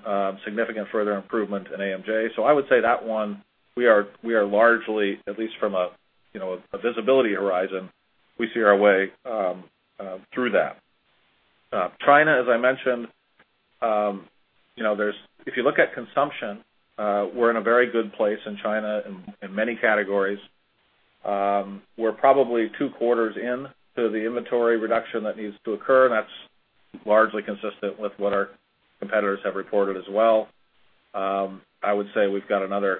significant further improvement in AMJ. I would say that one, we are largely, at least from a visibility horizon, we see our way through that. China, as I mentioned, if you look at consumption, we're in a very good place in China in many categories. We're probably two quarters in to the inventory reduction that needs to occur, and that's largely consistent with what our competitors have reported as well. I would say we've got another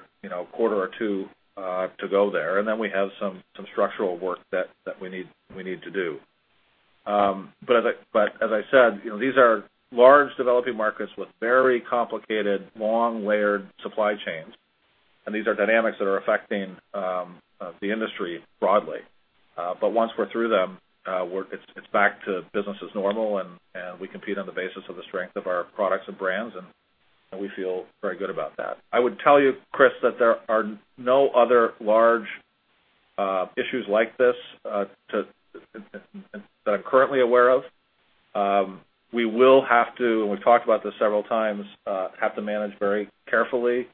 quarter or two to go there, and then we have some structural work that we need to do. As I said, these are large developing markets with very complicated, long, layered supply chains, and these are dynamics that are affecting the industry broadly. Once we're through them, it's back to business as normal and we compete on the basis of the strength of our products and brands, and we feel very good about that. I would tell you, Chris, that there are no other large issues like this that I'm currently aware of. We will have to, and we've talked about this several times, manage very carefully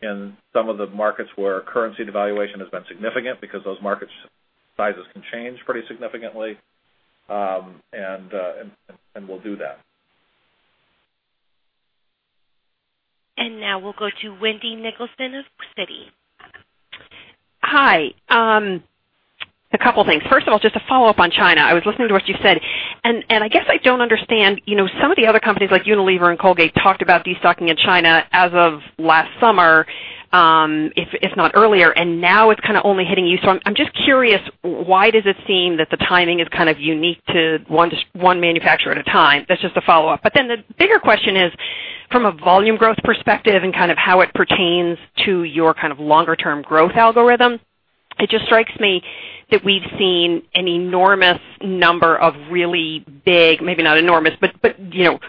in some of the markets where currency devaluation has been significant because those market sizes can change pretty significantly, and we'll do that. Now we'll go to Wendy Nicholson of Citi. Hi. A couple of things. First of all, just to follow up on China. I was listening to what you said, and I guess I don't understand. Some of the other companies like Unilever and Colgate-Palmolive talked about destocking in China as of last summer, if not earlier, and now it's kind of only hitting you. I'm just curious, why does it seem that the timing is kind of unique to one manufacturer at a time? That's just a follow-up. The bigger question is, from a volume growth perspective and kind of how it pertains to your kind of longer term growth algorithm, it just strikes me that we've seen an enormous number of really big, maybe not enormous, but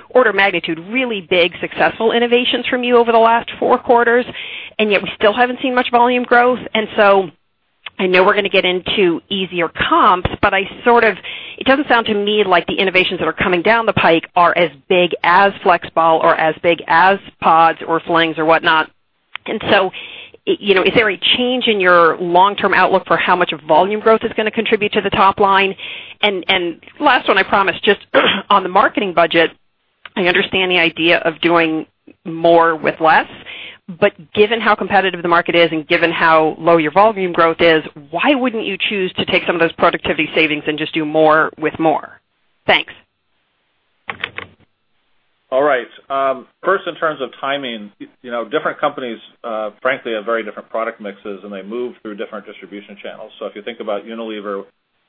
order of magnitude, really big, successful innovations from you over the last four quarters, and yet we still haven't seen much volume growth. I know we're going to get into easier comps, but it doesn't sound to me like the innovations that are coming down the pike are as big as FlexBall or as big as Pods or Flings or whatnot. Is there a change in your long-term outlook for how much of volume growth is going to contribute to the top line? Last one, I promise, just on the marketing budget, I understand the idea of doing more with less, but given how competitive the market is and given how low your volume growth is, why wouldn't you choose to take some of those productivity savings and just do more with more? Thanks. All right. First in terms of timing, different companies frankly have very different product mixes and they move through different distribution channels. If you think about Unilever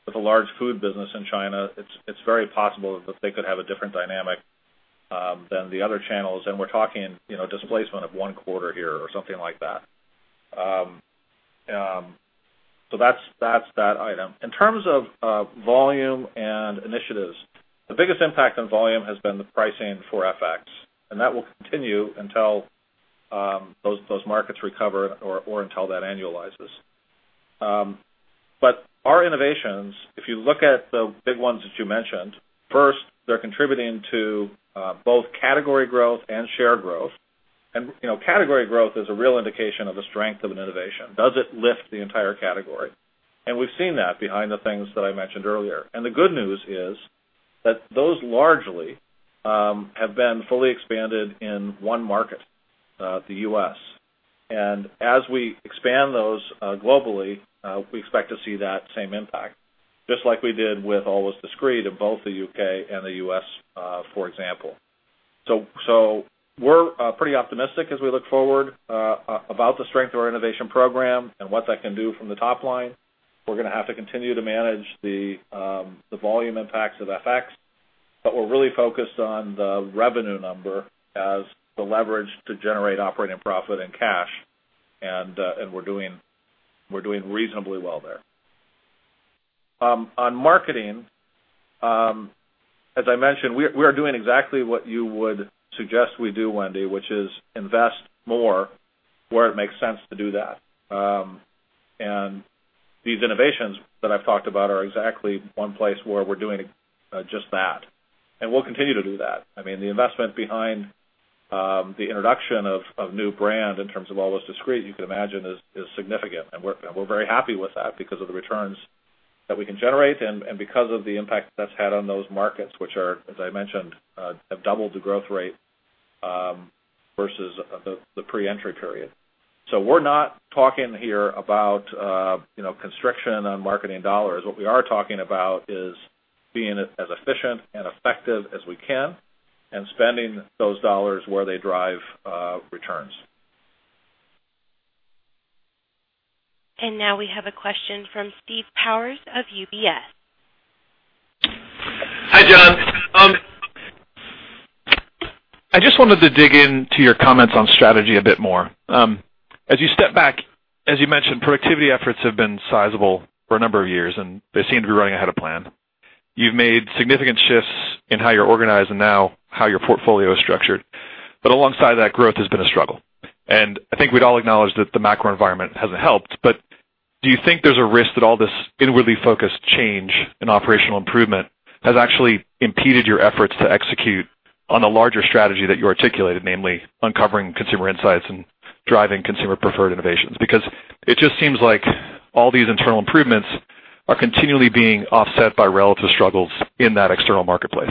with a large food business in China, it's very possible that they could have a different dynamic than the other channels. We're talking displacement of one quarter here or something like that. That's that item. In terms of volume and initiatives, the biggest impact on volume has been the pricing for FX, and that will continue until those markets recover or until that annualizes. Our innovations, if you look at the big ones that you mentioned, first, they're contributing to both category growth and share growth. Category growth is a real indication of the strength of an innovation. Does it lift the entire category? We've seen that behind the things that I mentioned earlier. The good news is that those largely have been fully expanded in one market, the U.S. As we expand those globally, we expect to see that same impact, just like we did with Always Discreet in both the U.K. and the U.S., for example. We're pretty optimistic as we look forward about the strength of our innovation program and what that can do from the top line. We're going to have to continue to manage the volume impacts of FX, but we're really focused on the revenue number as the leverage to generate operating profit and cash. We're doing reasonably well there. On marketing, as I mentioned, we are doing exactly what you would suggest we do, Wendy, which is invest more where it makes sense to do that. These innovations that I've talked about are exactly one place where we're doing just that. We'll continue to do that. The investment behind the introduction of new brand in terms of Always Discreet, you can imagine is significant, and we're very happy with that because of the returns that we can generate and because of the impact that's had on those markets, which are, as I mentioned, have doubled the growth rate versus the pre-entry period. We're not talking here about constriction on marketing dollars. What we are talking about is being as efficient and effective as we can and spending those dollars where they drive returns. Now we have a question from Steve Powers of UBS. Hi, Jon. I just wanted to dig into your comments on strategy a bit more. As you step back, as you mentioned, productivity efforts have been sizable for a number of years, they seem to be running ahead of plan. You've made significant shifts in how you're organized and now how your portfolio is structured. Alongside that, growth has been a struggle. I think we'd all acknowledge that the macro environment hasn't helped, do you think there's a risk that all this inwardly focused change in operational improvement has actually impeded your efforts to execute on the larger strategy that you articulated, namely uncovering consumer insights and driving consumer-preferred innovations? It just seems like all these internal improvements are continually being offset by relative struggles in that external marketplace.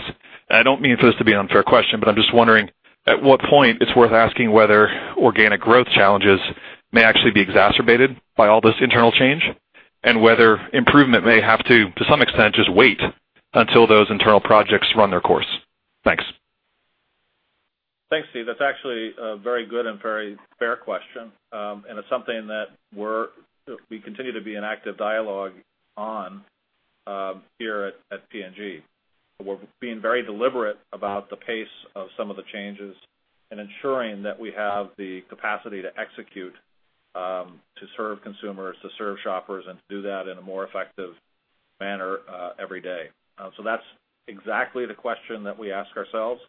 I don't mean for this to be an unfair question, I'm just wondering at what point it's worth asking whether organic growth challenges may actually be exacerbated by all this internal change, and whether improvement may have to, some extent, just wait until those internal projects run their course. Thanks. Thanks, Steve. That's actually a very good and very fair question. It's something that we continue to be in active dialogue on here at P&G. We're being very deliberate about the pace of some of the changes and ensuring that we have the capacity to execute, to serve consumers, to serve shoppers, and to do that in a more effective manner every day. That's exactly the question that we ask ourselves.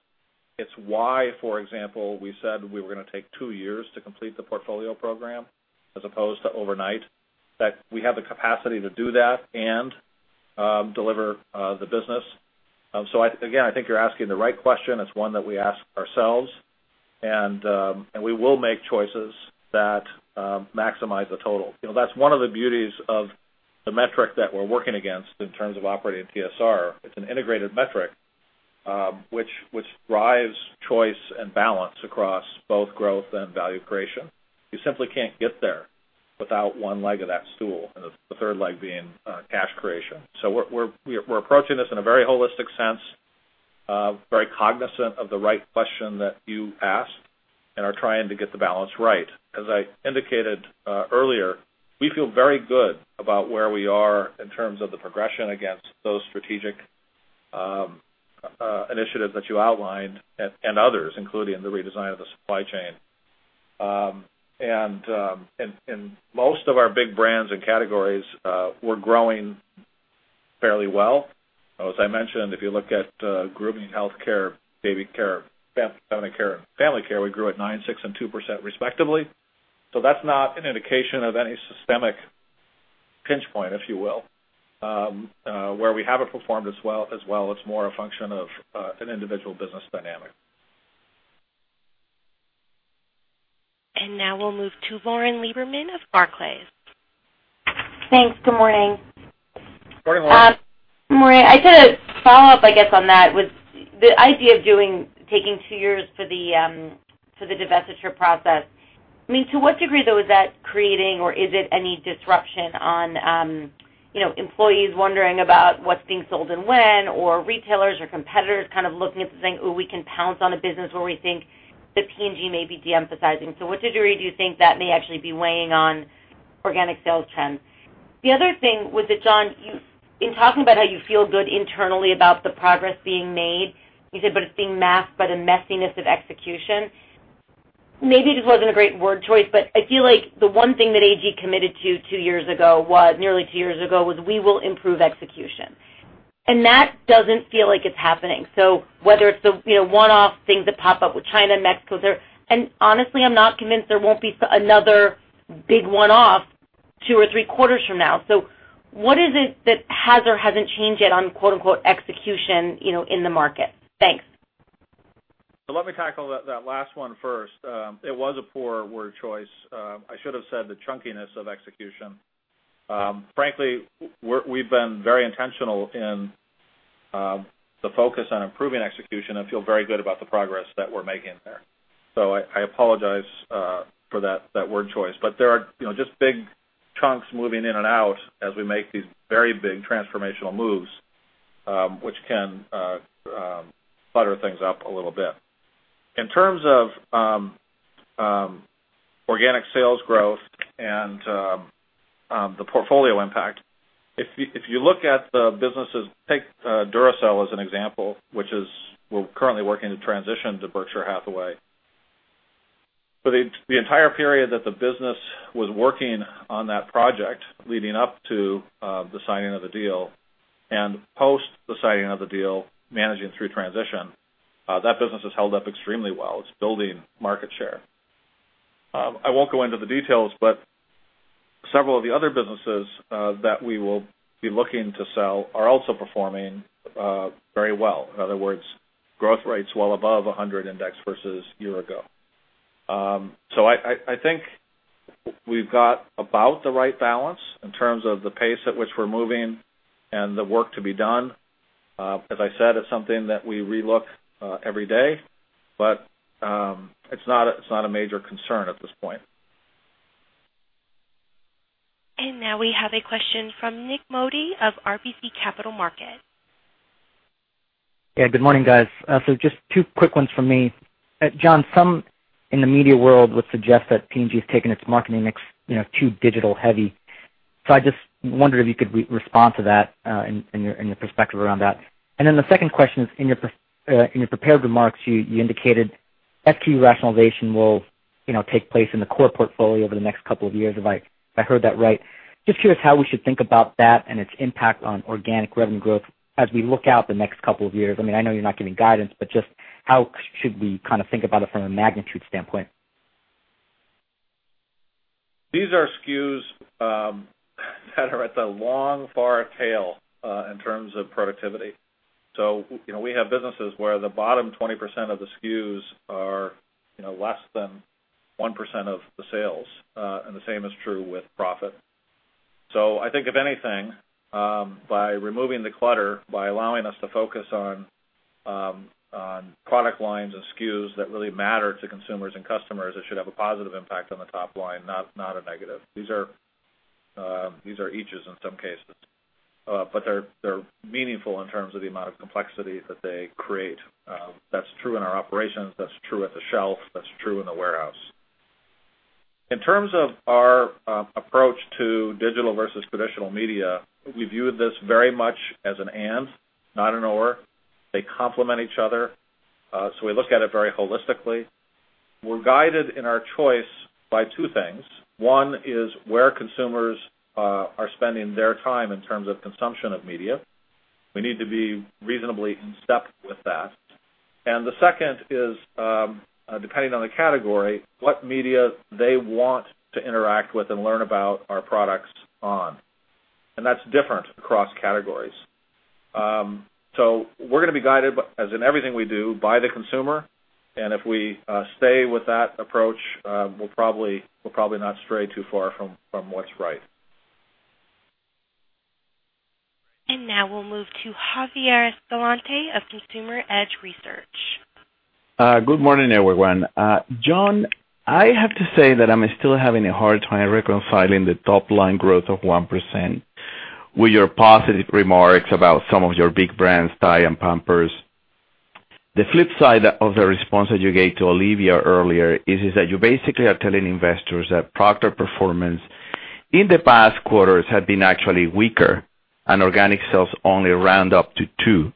It's why, for example, we said we were going to take two years to complete the portfolio program as opposed to overnight, that we have the capacity to do that and deliver the business. Again, I think you're asking the right question. It's one that we ask ourselves, and we will make choices that maximize the total. That's one of the beauties of the metric that we're working against in terms of operating TSR. It's an integrated metric which drives choice and balance across both growth and value creation. You simply can't get there without one leg of that stool, and the third leg being cash creation. We're approaching this in a very holistic sense, very cognizant of the right question that you asked, and are trying to get the balance right. As I indicated earlier, we feel very good about where we are in terms of the progression against those strategic initiatives that you outlined, and others, including the redesign of the supply chain. Most of our big brands and categories were growing fairly well. As I mentioned, if you look at Grooming, Healthcare, Baby Care, Pet and Family Care, we grew at nine, six, and 2% respectively. That's not an indication of any systemic pinch point, if you will. Where we haven't performed as well, it's more a function of an individual business dynamic. Now we'll move to Lauren Lieberman of Barclays. Thanks. Good morning. Good morning, Lauren. Morning. I could follow up, I guess, on that with the idea of taking 2 years for the divestiture process. To what degree, though, is that creating or is it any disruption on employees wondering about what's being sold and when, or retailers or competitors kind of looking at this thing, "Oh, we can pounce on a business where we think that P&G may be de-emphasizing." What degree do you think that may actually be weighing on organic sales trends. The other thing was that, Jon, in talking about how you feel good internally about the progress being made, you said, but it's being masked by the messiness of execution. Maybe it just wasn't a great word choice, but I feel like the one thing that A.G. committed to 2 years ago was, nearly 2 years ago, was we will improve execution. That doesn't feel like it's happening. Whether it's the one-off things that pop up with China, Mexico. Honestly, I'm not convinced there won't be another big one-off two or three quarters from now. What is it that has or hasn't changed yet on "execution" in the market? Thanks. Let me tackle that last one first. It was a poor word choice. I should have said the chunkiness of execution. Frankly, we've been very intentional in the focus on improving execution and feel very good about the progress that we're making there. I apologize for that word choice. There are just big chunks moving in and out as we make these very big transformational moves, which can clutter things up a little bit. In terms of organic sales growth and the portfolio impact, if you look at the businesses, take Duracell as an example, which is we're currently working to transition to Berkshire Hathaway. For the entire period that the business was working on that project, leading up to the signing of the deal, and post the signing of the deal, managing through transition, that business has held up extremely well. It's building market share. I won't go into the details, but several of the other businesses that we will be looking to sell are also performing very well. In other words, growth rates well above 100 index versus year-ago. I think we've got about the right balance in terms of the pace at which we're moving and the work to be done. As I said, it's something that we re-look every day, but it's not a major concern at this point. Now we have a question from Nik Modi of RBC Capital Markets. Good morning, guys. Just two quick ones from me. Jon, some in the media world would suggest that P&G has taken its marketing mix too digital-heavy. I just wondered if you could respond to that and your perspective around that. The second question is, in your prepared remarks, you indicated SKU rationalization will take place in the core portfolio over the next couple of years, if I heard that right. Just curious how we should think about that and its impact on organic revenue growth as we look out the next couple of years. I know you're not giving guidance, but just how should we think about it from a magnitude standpoint? These are SKUs that are at the long far tail in terms of productivity. We have businesses where the bottom 20% of the SKUs are less than 1% of the sales, and the same is true with profit. I think if anything, by removing the clutter, by allowing us to focus on product lines and SKUs that really matter to consumers and customers, it should have a positive impact on the top line, not a negative. These are eaches in some cases. They're meaningful in terms of the amount of complexity that they create. That's true in our operations, that's true at the shelf, that's true in the warehouse. In terms of our approach to digital versus traditional media, we view this very much as an and, not an or. They complement each other. We look at it very holistically. We're guided in our choice by two things. One is where consumers are spending their time in terms of consumption of media. We need to be reasonably in step with that. The second is, depending on the category, what media they want to interact with and learn about our products on. That's different across categories. We're going to be guided, as in everything we do, by the consumer, and if we stay with that approach, we'll probably not stray too far from what's right. Now we'll move to Javier Escalante of Consumer Edge Research. Good morning, everyone. Jon, I have to say that I'm still having a hard time reconciling the top-line growth of 1% with your positive remarks about some of your big brands, Tide and Pampers. The flip side of the response that you gave to Olivia earlier is that you basically are telling investors that product performance in the past quarters had been actually weaker, and organic sales only round up to two.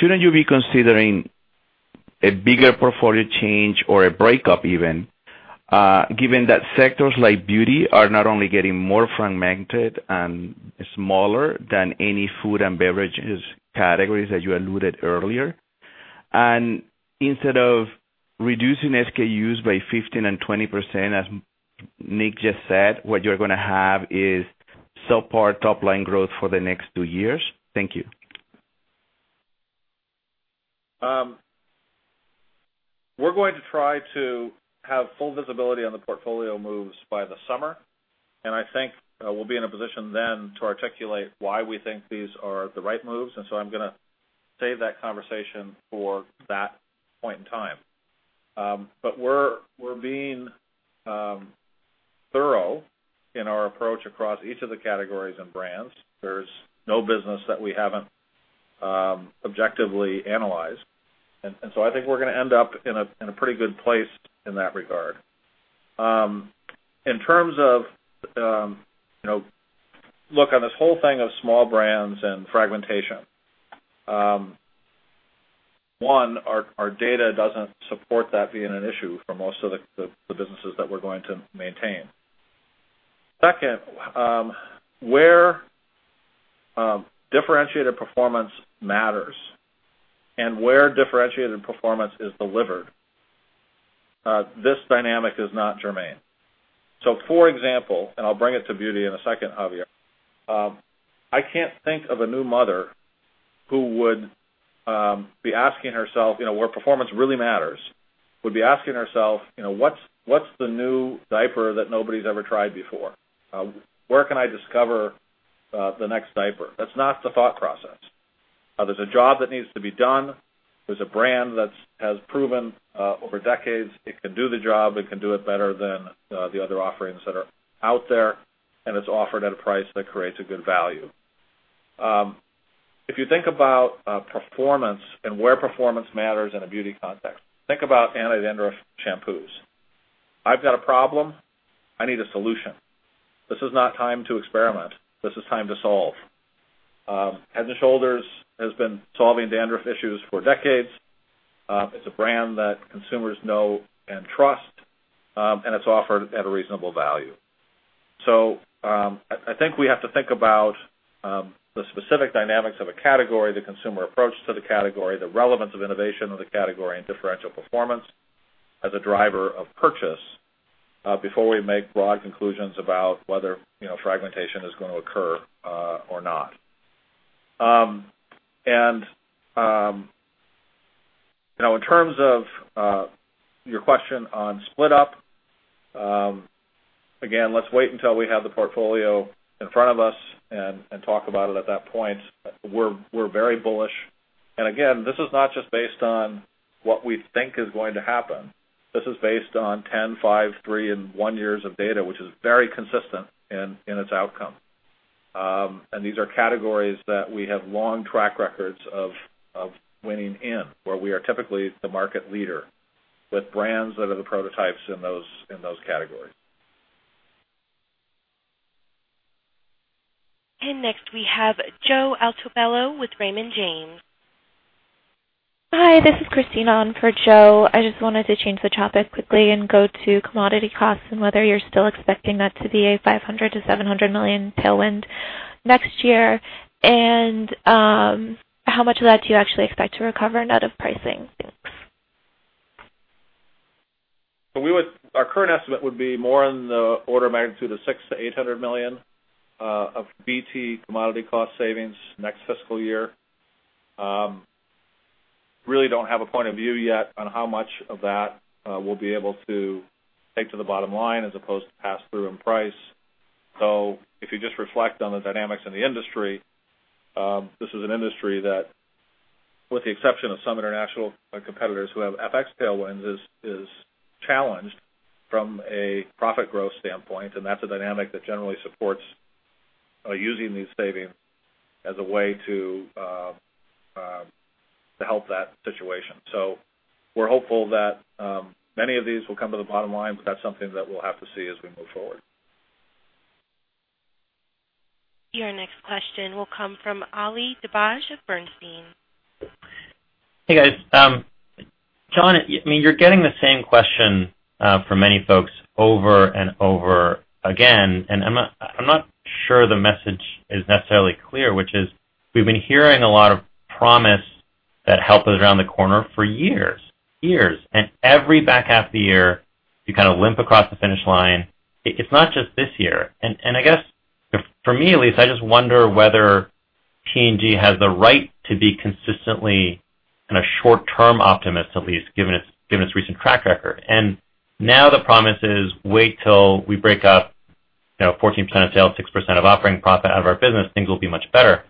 Shouldn't you be considering a bigger portfolio change, or a breakup even, given that sectors like beauty are not only getting more fragmented and smaller than any food and beverages categories that you alluded earlier? Instead of reducing SKUs by 15% and 20%, as Nik just said, what you're going to have is subpar top-line growth for the next two years? Thank you. We're going to try to have full visibility on the portfolio moves by the summer, I think we'll be in a position then to articulate why we think these are the right moves, I'm going to save that conversation for that point in time. We're being thorough in our approach across each of the categories and brands. There's no business that we haven't objectively analyzed. I think we're going to end up in a pretty good place in that regard. In terms of look on this whole thing of small brands and fragmentation. One, our data doesn't support that being an issue for most of the businesses that we're going to maintain. Second, where differentiated performance matters and where differentiated performance is delivered, this dynamic is not germane. For example, and I'll bring it to beauty in a second, Javier, I can't think of a new mother who would be asking herself where performance really matters, would be asking herself, "What's the new diaper that nobody's ever tried before? Where can I discover the next diaper?" That's not the thought process. There's a job that needs to be done. There's a brand that has proven over decades it can do the job, it can do it better than the other offerings that are out there, and it's offered at a price that creates a good value. If you think about performance and where performance matters in a beauty context, think about anti-dandruff shampoos. I've got a problem. I need a solution. This is not time to experiment. This is time to solve. Head & Shoulders has been solving dandruff issues for decades. It's a brand that consumers know and trust, and it's offered at a reasonable value. I think we have to think about the specific dynamics of a category, the consumer approach to the category, the relevance of innovation of the category, and differential performance as a driver of purchase, before we make broad conclusions about whether fragmentation is going to occur or not. In terms of your question on split up, again, let's wait until we have the portfolio in front of us and talk about it at that point. We're very bullish. Again, this is not just based on what we think is going to happen. This is based on 10, five, three, and one years of data, which is very consistent in its outcome. These are categories that we have long track records of winning in, where we are typically the market leader with brands that are the prototypes in those categories. Next we have Joseph Altobello with Raymond James. Hi, this is Christina on for Joe. I just wanted to change the topic quickly and go to commodity costs and whether you're still expecting that to be a $500 million-$700 million tailwind next year, and how much of that do you actually expect to recover out of pricing? Thanks. Our current estimate would be more in the order of magnitude of $600 million-$800 million of before-tax commodity cost savings next fiscal year. Don't have a point of view yet on how much of that we'll be able to take to the bottom line as opposed to pass through in price. If you just reflect on the dynamics in the industry, this is an industry that, with the exception of some international competitors who have FX tailwinds, is challenged from a profit growth standpoint, and that's a dynamic that generally supports using these savings as a way to help that situation. We're hopeful that many of these will come to the bottom line, but that's something that we'll have to see as we move forward. Your next question will come from Ali Dibadj of Bernstein. Hey, guys. Jon, you're getting the same question from many folks over and over again, I'm not sure the message is necessarily clear, which is we've been hearing a lot of promise that help is around the corner for years. Every back half of the year, you kind of limp across the finish line. It's not just this year. I guess, for me at least, I just wonder whether P&G has the right to be consistently a short-term optimist, at least given its recent track record. Now the promise is wait till we break up 14% of sales, 6% of operating profit out of our business, things will be much better.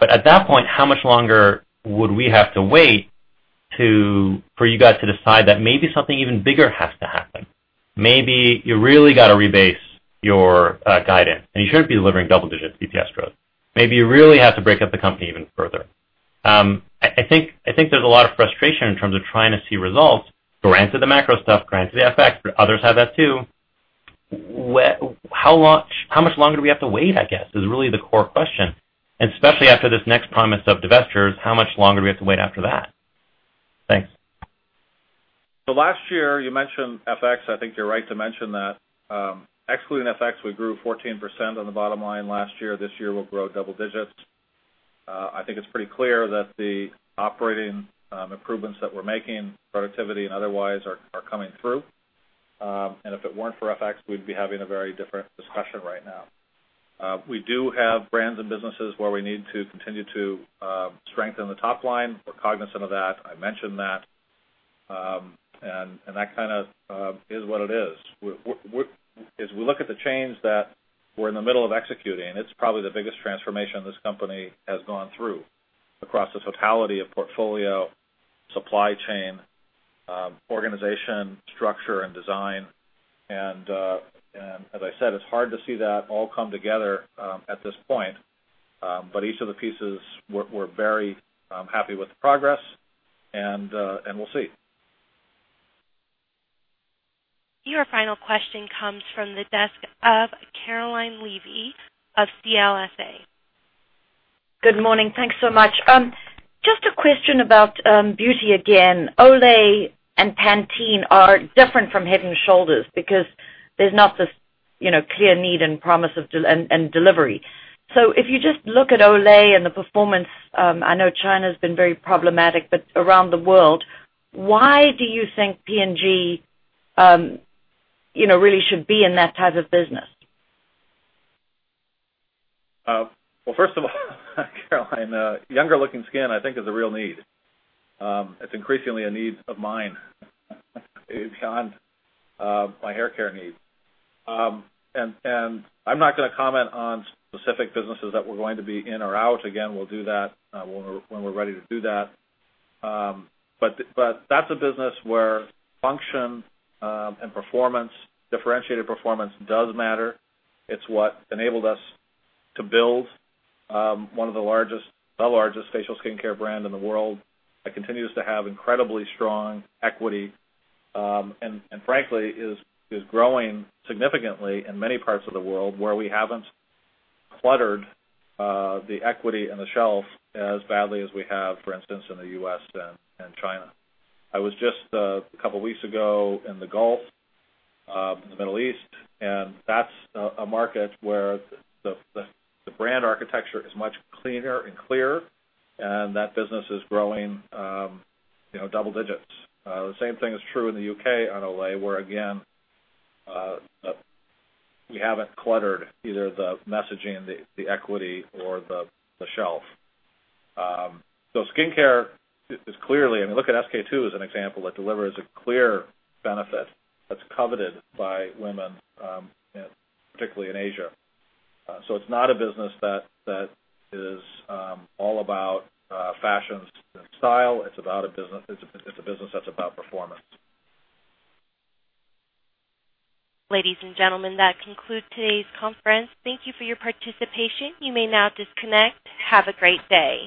At that point, how much longer would we have to wait for you guys to decide that maybe something even bigger has to happen? Maybe you really got to rebase your guidance, and you shouldn't be delivering double digits in EPS growth. Maybe you really have to break up the company even further. I think there's a lot of frustration in terms of trying to see results. Granted the macro stuff, granted the FX, but others have that too. How much longer do we have to wait, I guess, is really the core question, and especially after this next promise of divestitures, how much longer do we have to wait after that? Thanks. Last year, you mentioned FX. I think you're right to mention that excluding FX, we grew 14% on the bottom line last year. This year we'll grow double digits. I think it's pretty clear that the operating improvements that we're making, productivity and otherwise, are coming through. If it weren't for FX, we'd be having a very different discussion right now. We do have brands and businesses where we need to continue to strengthen the top line. We're cognizant of that. I mentioned that. That kind of is what it is. As we look at the change that we're in the middle of executing, it's probably the biggest transformation this company has gone through across the totality of portfolio, supply chain organization, structure, and design. As I said, it's hard to see that all come together at this point. Each of the pieces, we're very happy with the progress, and we'll see. Your final question comes from the desk of Caroline Levy of CLSA. Good morning. Thanks so much. Just a question about beauty again. Olay and Pantene are different from Head & Shoulders because there's not this clear need and promise and delivery. If you just look at Olay and the performance, I know China's been very problematic, but around the world, why do you think P&G really should be in that type of business? Well, first of all, Caroline, younger-looking skin, I think, is a real need. It's increasingly a need of mine beyond my haircare needs. I'm not going to comment on specific businesses that we're going to be in or out. Again, we'll do that when we're ready to do that. That's a business where function and differentiated performance does matter. It's what enabled us to build one of the largest facial skincare brand in the world, that continues to have incredibly strong equity, and frankly, is growing significantly in many parts of the world where we haven't cluttered the equity and the shelf as badly as we have, for instance, in the U.S. and China. I was just, a couple of weeks ago, in the Gulf, the Middle East, and that's a market where the brand architecture is much cleaner and clearer, and that business is growing double digits. The same thing is true in the U.K. on Olay, where again we haven't cluttered either the messaging, the equity, or the shelf. Skincare is clearly if you look at SK-II as an example, it delivers a clear benefit that's coveted by women, particularly in Asia. It's not a business that is all about fashion and style. It's a business that's about performance. Ladies and gentlemen, that concludes today's conference. Thank you for your participation. You may now disconnect. Have a great day.